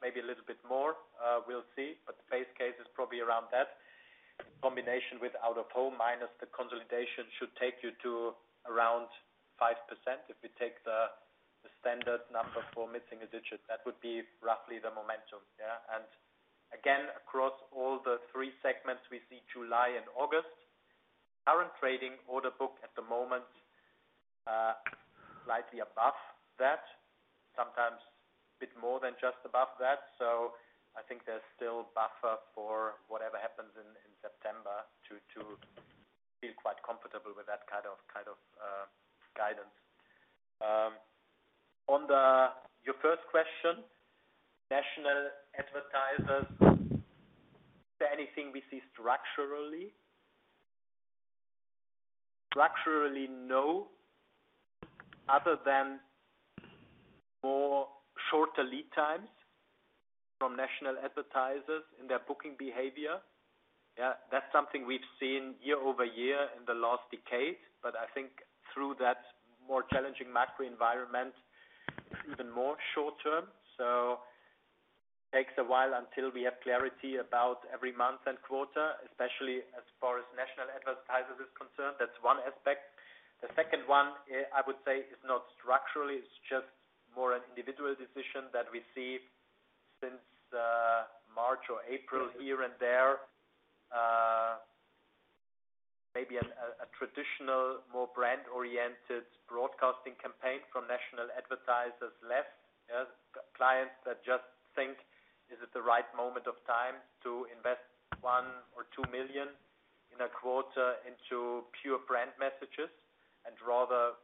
maybe a little bit more. We'll see. The base case is probably around that. Combination with Out-of-home minus the consolidation should take you to around 5%. If we take the standard number for missing a digit, that would be roughly the momentum. Yeah. Again, across all the three segments we see July and August. Current trading order book at the moment, slightly above that, sometimes a bit more than just above that. I think there's still buffer for whatever happens in September to feel quite comfortable with that kind of guidance. On your first question, national advertisers, is there anything we see structurally? Structurally, no. Other than more shorter lead times from national advertisers in their booking behavior. Yeah, that's something we've seen year-over-year in the last decade. I think through that more challenging macro environment, it's even more short-term. Takes a while until we have clarity about every month and quarter, especially as far as national advertisers is concerned. That's one aspect. The second one, I would say is not structurally, it's just more of an individual decision that we see since March or April here and there. Maybe a traditional, more brand-oriented broadcasting campaign from national advertisers less. Yes, clients that just think, is it the right moment of time to invest 1 million or 2 million in a quarter into pure brand messages and rather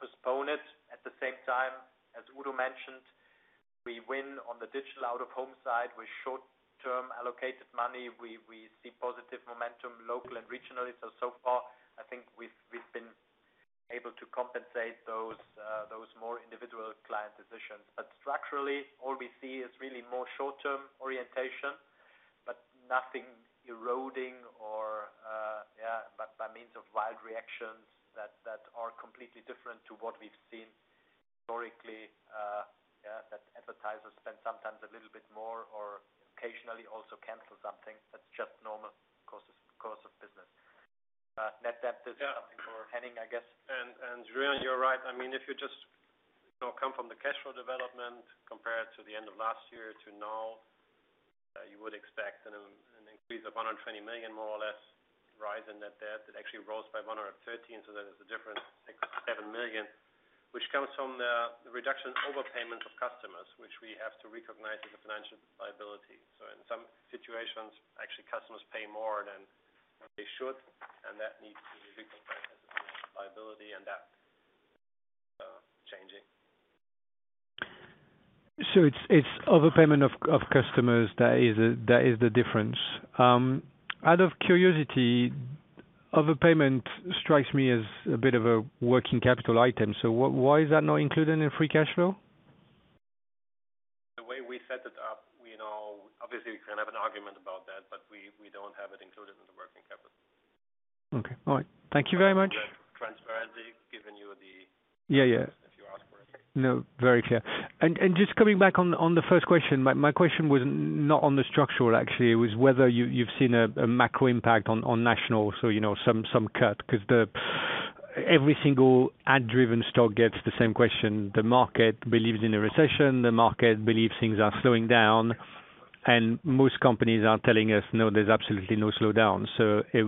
postpone it. At the same time, as Udo mentioned, we win on the digital Out-of-home side with short-term allocated money. We see positive momentum locally and regionally. So far I think we've been able to compensate those more individual client decisions. Structurally, all we see is really more short-term orientation, but nothing eroding by means of wild reactions that are completely different to what we've seen historically, that advertisers spend sometimes a little bit more or occasionally also cancel something. That's just normal course of business. Net debt is something for Henning, I guess. Julien, you're right. I mean, if you just, you know, come from the cash flow development compared to the end of last year to now, you would expect an increase of 120 million more or less rise in net debt. It actually rose by 113. There is a difference, 6 million-7 million, which comes from the reduction overpayment of customers, which we have to recognize as a financial liability. In some situations, actually customers pay more than they should, and that changing. It's overpayment of customers that is the difference. Out of curiosity, overpayment strikes me as a bit of a working capital item. Why is that not included in free cash flow? The way we set it up, we know obviously we can have an argument about that, but we don't have it included in the working capital. Okay. All right. Thank you very much. Transparency, giving you the- Yeah, yeah. If you ask for it. No, very clear. Just coming back on the first question. My question was not on the structural, actually, it was whether you've seen a macro impact on national. You know, some cuts because every single ad-driven stock gets the same question. The market believes in a recession, the market believes things are slowing down, and most companies are telling us, "No, there's absolutely no slowdown."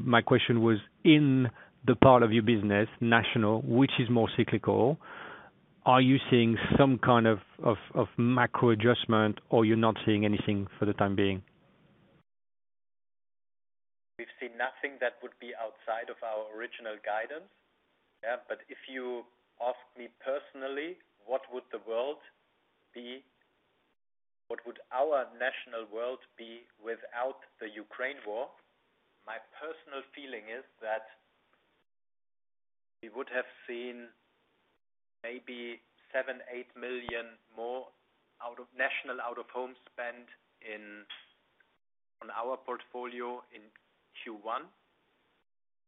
My question was, in the part of your business, national, which is more cyclical, are you seeing some kind of macro adjustment or you're not seeing anything for the time being? We've seen nothing that would be outside of our original guidance. Yeah. But if you ask me personally, what would our national world be without the Ukraine war? My personal feeling is that we would have seen maybe 7-8 million more national Out-of-home spend in on our portfolio in Q1.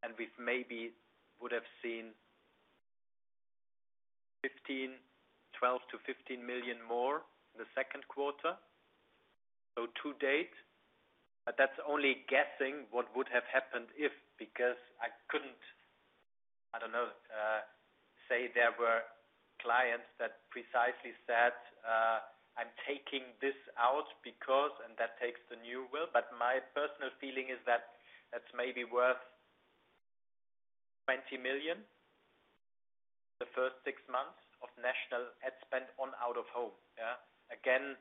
And we've maybe would've seen 12-15 million more in the second quarter. So to date. But that's only guessing what would have happened if, because I couldn't, I don't know, say there were clients that precisely said, "I'm taking this out because..." and that's the Ukraine war. But my personal feeling is that it's maybe worth 20 million, the first six months of national ad spend on Out-of-home, yeah. an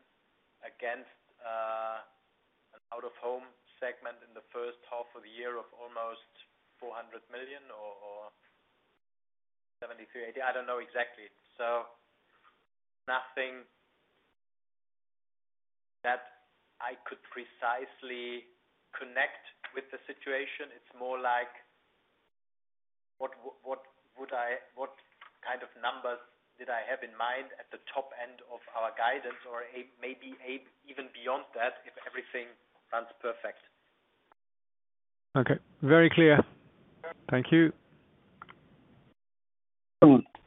Out-of-home segment in the first half of the year of almost 400 million or 73-80. I don't know exactly. Nothing that I could precisely connect with the situation. It's more like what would I, what kind of numbers did I have in mind at the top end of our guidance or, maybe, even beyond that, if everything runs perfect. Okay. Very clear. Thank you.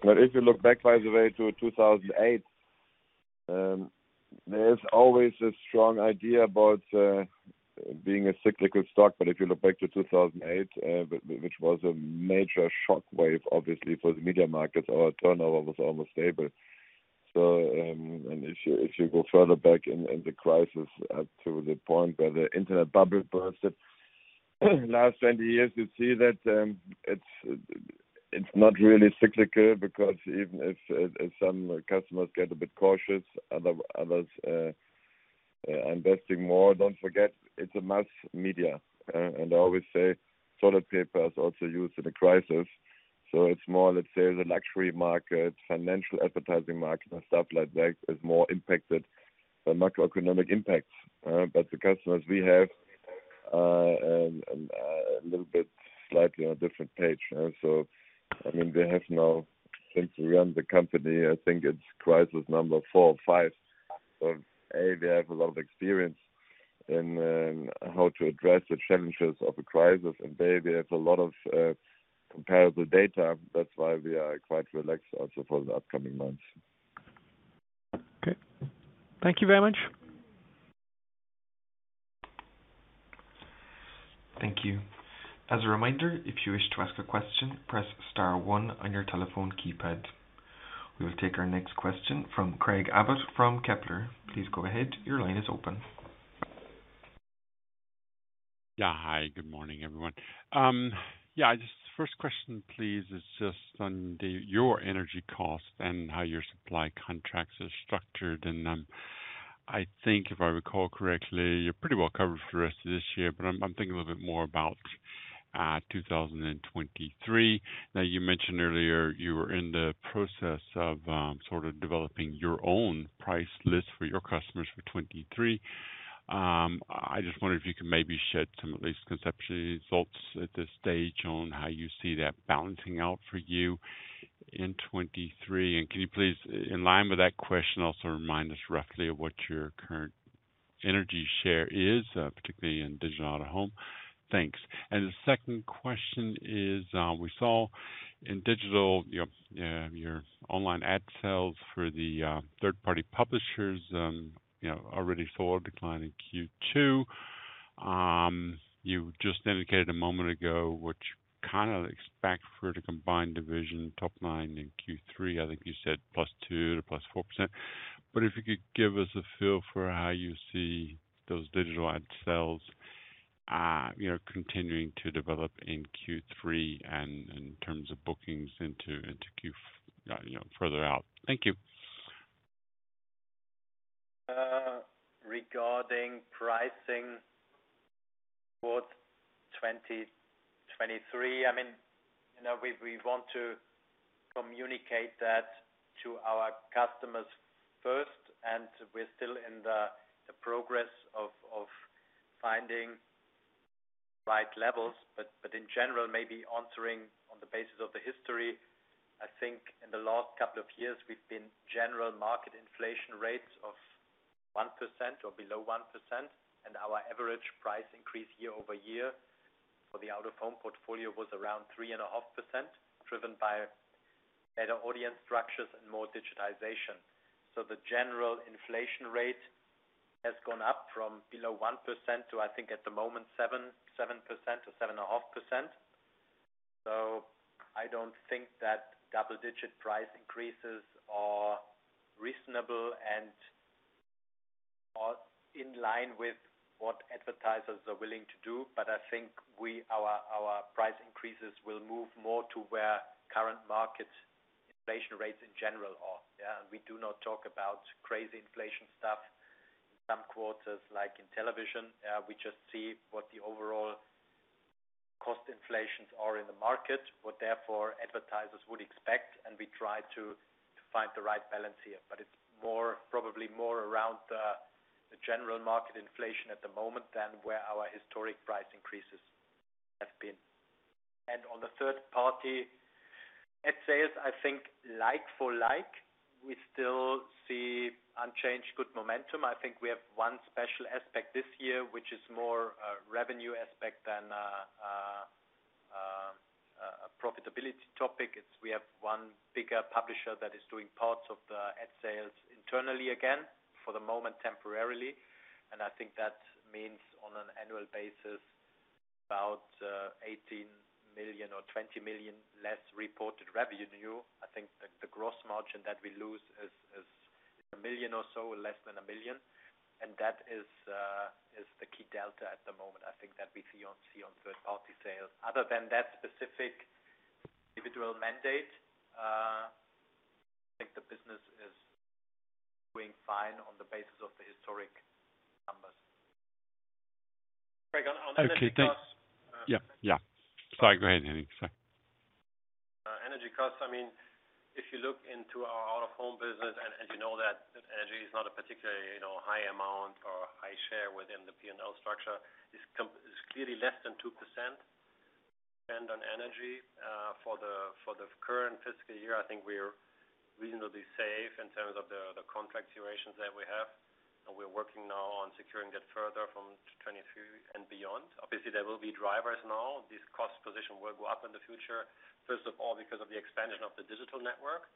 If you look back, by the way, to 2008, there's always a strong idea about being a cyclical stock. If you look back to 2008, which was a major shockwave obviously for the media markets, our turnover was almost stable. If you go further back in the crisis to the point where the internet bubble burst, last 20 years, you see that it's not really cyclical because even if some customers get a bit cautious, others investing more. Don't forget it's a mass media. I always say toilet paper is also used in a crisis. It's more, let's say the luxury market, financial advertising market and stuff like that is more impacted by macroeconomic impacts. The customers we have a little bit slightly on a different page. I mean, they have now since we run the company. I think it's crisis number four or five. A, they have a lot of experience. How to address the challenges of a crisis. There we have a lot of comparable data. That's why we are quite relaxed also for the upcoming months. Okay. Thank you very much. Thank you. As a reminder, if you wish to ask a question, press star one on your telephone keypad. We will take our next question from Craig Abbott from Kepler Cheuvreux. Please go ahead. Your line is open. Yeah. Hi, good morning, everyone. Yeah, just first question, please, is just on your energy costs and how your supply contracts are structured. I think if I recall correctly, you're pretty well covered for the rest of this year, but I'm thinking a little bit more about 2023. Now you mentioned earlier you were in the process of sort of developing your own price list for your customers for 2023. I just wondered if you could maybe shed some, at least conceptually, results at this stage on how you see that balancing out for you in 2023. Can you please, in line with that question, also remind us roughly of what your current energy share is, particularly in digital Out-of-home? Thanks. The second question is, we saw in digital, you know, your online ad sales for the third-party publishers, you know, already saw a decline in Q2. You just indicated a moment ago what you kinda expect for the combined division top line in Q3. I think you said +2%-+4%. If you could give us a feel for how you see those digital ad sales, you know, continuing to develop in Q3 and in terms of bookings into Q, you know, further out. Thank you. Regarding pricing for 2023, I mean, you know, we want to communicate that to our customers first, and we're still in the progress of finding the right levels. But in general, maybe answering on the basis of the history, I think in the last couple of years we've seen general market inflation rates of 1% or below 1%, and our average price increase year-over-year for the Out-of-home portfolio was around 3.5%, driven by better audience structures and more digitization. The general inflation rate has gone up from below 1% to, I think at the moment, 7%-7.5%. I don't think that double-digit price increases are reasonable and are in line with what advertisers are willing to do. I think our price increases will move more to where current market inflation rates in general are. We do not talk about crazy inflation stuff in some quarters like in television. We just see what the overall cost inflations are in the market, what therefore advertisers would expect, and we try to find the right balance here. It's more probably around the general market inflation at the moment than where our historic price increases have been. On the third party ad sales, I think like for like, we still see unchanged good momentum. I think we have one special aspect this year, which is more a revenue aspect than a profitability topic, is we have one bigger publisher that is doing parts of the ad sales internally again, for the moment temporarily. I think that means on an annual basis, about 18 million or 20 million less reported revenue. I think the gross margin that we lose is 1 million or so, less than 1 million. That is the key delta at the moment, I think that we see on third-party sales. Other than that specific individual mandate, I think the business is doing fine on the basis of the historic numbers. Craig, on energy costs. Okay. Thanks. Yeah, yeah. Sorry, go ahead, Henning. Sorry. Energy costs, I mean, if you look into our Out-of-home business and you know that energy is not a particularly, you know, high amount or high share within the P&L structure, it's clearly less than 2% spend on energy. For the current fiscal year, I think we're reasonably safe in terms of the contract durations that we have, and we're working now on securing that further from 2023 and beyond. Obviously, there will be drivers now. This cost position will go up in the future, first of all, because of the expansion of the digital network.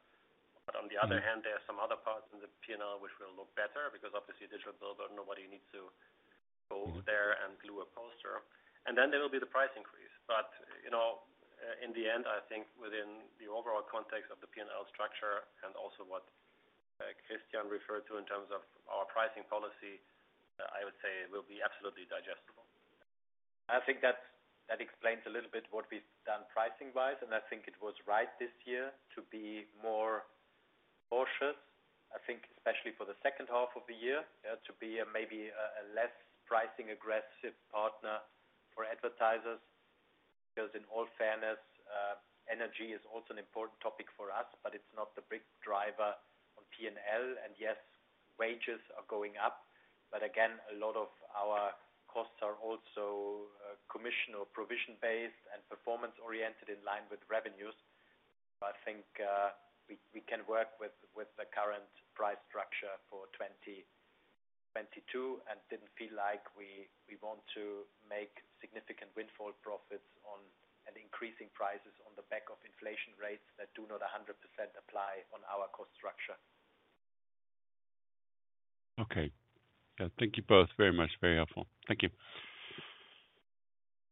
On the other hand, there are some other parts in the P&L which will look better because obviously digital billboard, nobody needs to go there and glue a poster. Then there will be the price increase. You know, in the end, I think within the overall context of the P&L structure and also what Christian referred to in terms of our pricing policy, I would say it will be absolutely digestible. I think that explains a little bit what we've done pricing-wise, and I think it was right this year to be more cautious, I think especially for the second half of the year, to be a maybe less pricing aggressive partner for advertisers. Because in all fairness, energy is also an important topic for us, but it's not the big driver on P&L. Yes, wages are going up, but again, a lot of our costs are also commission or provision-based and performance-oriented in line with revenues. I think we can work with the current price structure for 2022, and didn't feel like we want to make significant windfall profits on increasing prices on the back of inflation rates that do not 100% apply on our cost structure. Okay. Yeah, thank you both very much. Very helpful. Thank you.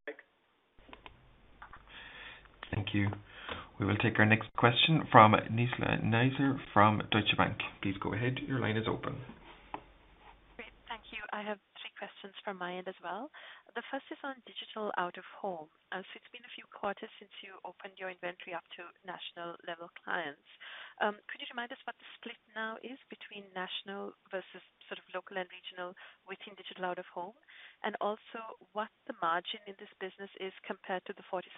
Thanks. Thank you. We will take our next question from Nizla Naizer from Deutsche Bank. Please go ahead. Your line is open. Great. Thank you. I have three questions from my end as well. The first is on digital Out-of-home. So it's been a few quarters since you opened your inventory up to national level clients. Could you remind us what the split now is between national versus sort of local and regional within digital Out-of-home? And also what the margin in this business is compared to the 47%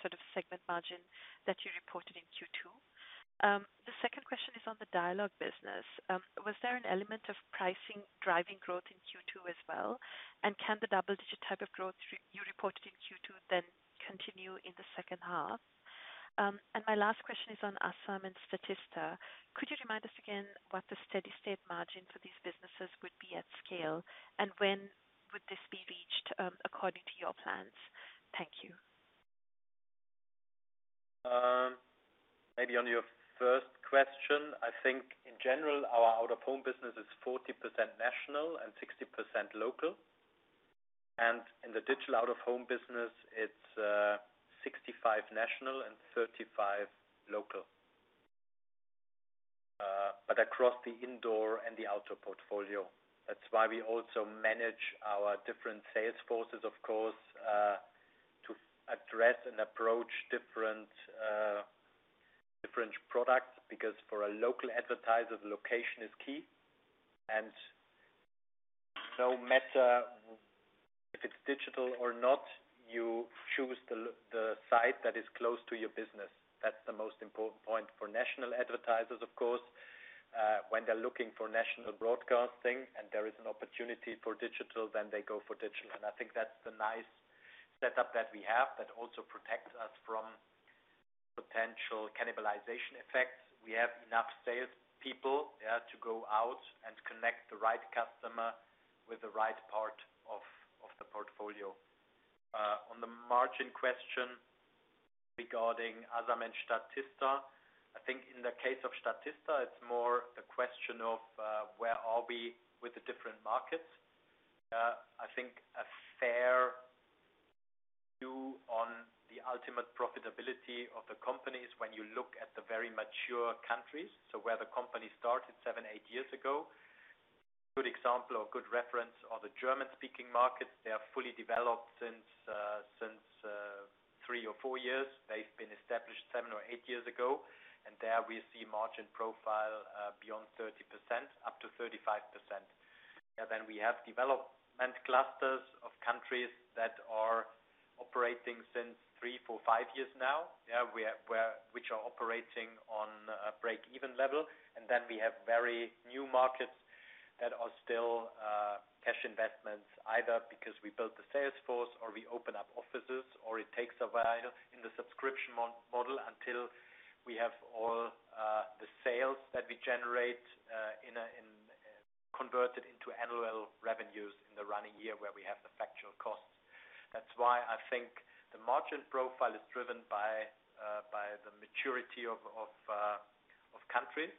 sort of segment margin that you reported in Q2. The second question is on the Dialog business. Was there an element of pricing driving growth in Q2 as well? And can the double digit type of growth you reported in Q2 then continue in the second half? My last question is on Asam and Statista. Could you remind us again what the steady-state margin for these businesses would be at scale, and when would this be reached, according to your plans? Thank you. Maybe on your first question. I think in general, our Out-of-home business is 40% national and 60% local. In the Digital Out-of-home business, it's 65% national and 35% local. But across the indoor and the outdoor portfolio, that's why we also manage our different sales forces, of course, to address and approach different products. Because for a local advertiser, location is key, and no matter if it's digital or not, you choose the site that is close to your business. That's the most important point for national advertisers, of course. When they're looking for national broadcasting and there is an opportunity for digital, then they go for digital. I think that's the nice setup that we have that also protects us from potential cannibalization effects. We have enough sales people, yeah, to go out and connect the right customer with the right part of the portfolio. On the margin question regarding Asam and Statista, I think in the case of Statista, it's more a question of where are we with the different markets. I think a fair view on the ultimate profitability of the companies when you look at the very mature countries, so where the company started 7, 8 years ago. Good example or good reference are the German-speaking markets. They are fully developed since 3 or 4 years. They've been established 7 or 8 years ago. There we see margin profile beyond 30%, up to 35%. Then we have development clusters of countries that are operating since 3, 4, 5 years now. Which are operating on a break-even level. Then we have very new markets that are still cash investments, either because we built the sales force or we open up offices, or it takes a while in the subscription model until we have all the sales that we generate and converted into annual revenues in the running year where we have the factual costs. That's why I think the margin profile is driven by the maturity of countries.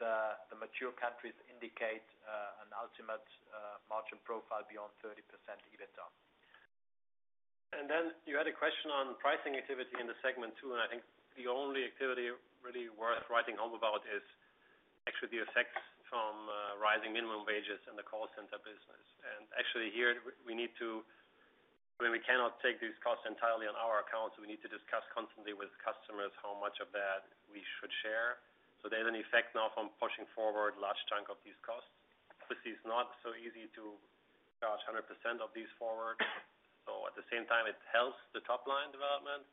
The mature countries indicate an ultimate margin profile beyond 30% EBITA. You had a question on pricing activity in the segment two, and I think the only activity really worth writing home about is actually the effects from rising minimum wages in the call center business. Actually here we need. When we cannot take these costs entirely on our accounts, we need to discuss constantly with customers how much of that we should share. There's an effect now from pushing forward large chunk of these costs. Obviously, it's not so easy to charge 100% of these forward. At the same time it helps the top line development,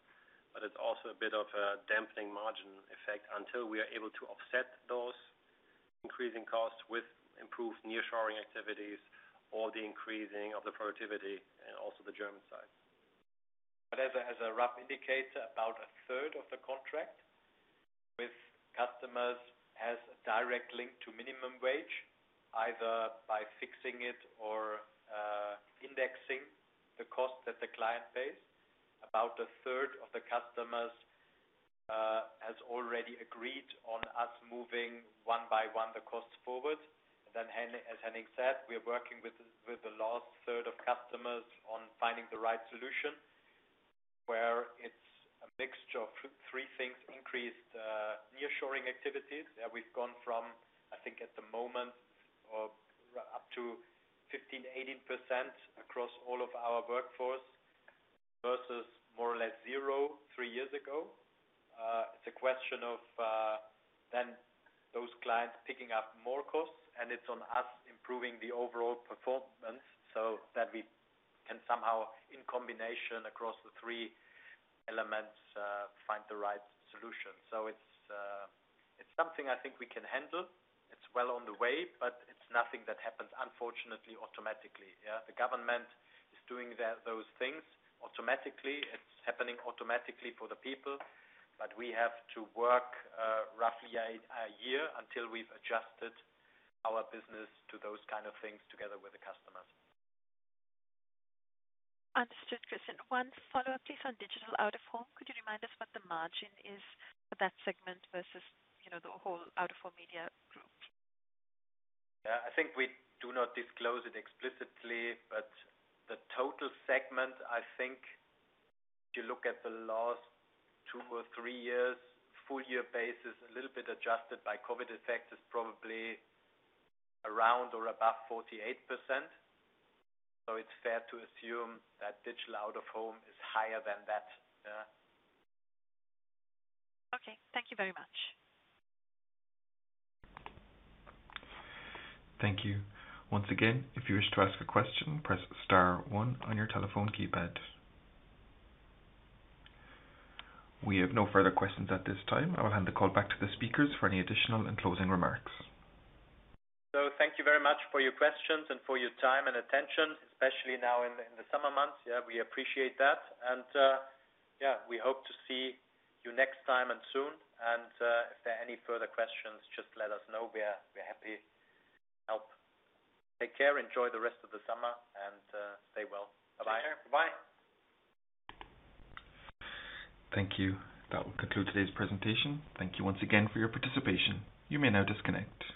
but it's also a bit of a dampening margin effect until we are able to offset those increasing costs with improved nearshoring activities or the increasing of the productivity and also the German side. As a rough indicator, about a third of the contract with customers has a direct link to minimum wage, either by fixing it or indexing the cost that the client pays. About a third of the customers has already agreed on us moving one by one the costs forward. Henning, as Henning said, we are working with the last third of customers on finding the right solution, where it's a mixture of three things, increased nearshoring activities. We've gone from, I think at the moment we're up to 15%-18% across all of our workforce versus more or less zero three years ago. It's a question of then those clients picking up more costs, and it's on us improving the overall performance so that we can somehow, in combination across the three elements, find the right solution. It's something I think we can handle. It's well on the way, but it's nothing that happens, unfortunately, automatically. Yeah. The government is doing those things automatically. It's happening automatically for the people. We have to work roughly a year until we've adjusted our business to those kind of things together with the customers. Understood. Christian, one follow-up, please, on Digital Out-of-home. Could you remind us what the margin is for that segment versus, you know, the whole Out-of-home media group? Yeah. I think we do not disclose it explicitly, but the total segment, I think if you look at the last 2 or 3 years, full year basis, a little bit adjusted by COVID effect, is probably around or above 48%. It's fair to assume that Digital Out-of-home is higher than that. Yeah. Okay. Thank you very much. Thank you. Once again, if you wish to ask a question, press star one on your telephone keypad. We have no further questions at this time. I will hand the call back to the speakers for any additional and closing remarks. Thank you very much for your questions and for your time and attention, especially now in the summer months. Yeah, we appreciate that. Yeah, we hope to see you next time and soon. If there are any further questions, just let us know. We're happy to help. Take care. Enjoy the rest of the summer and stay well. Bye-bye. Take care. Bye. Thank you. That will conclude today's presentation. Thank you once again for your participation. You may now disconnect.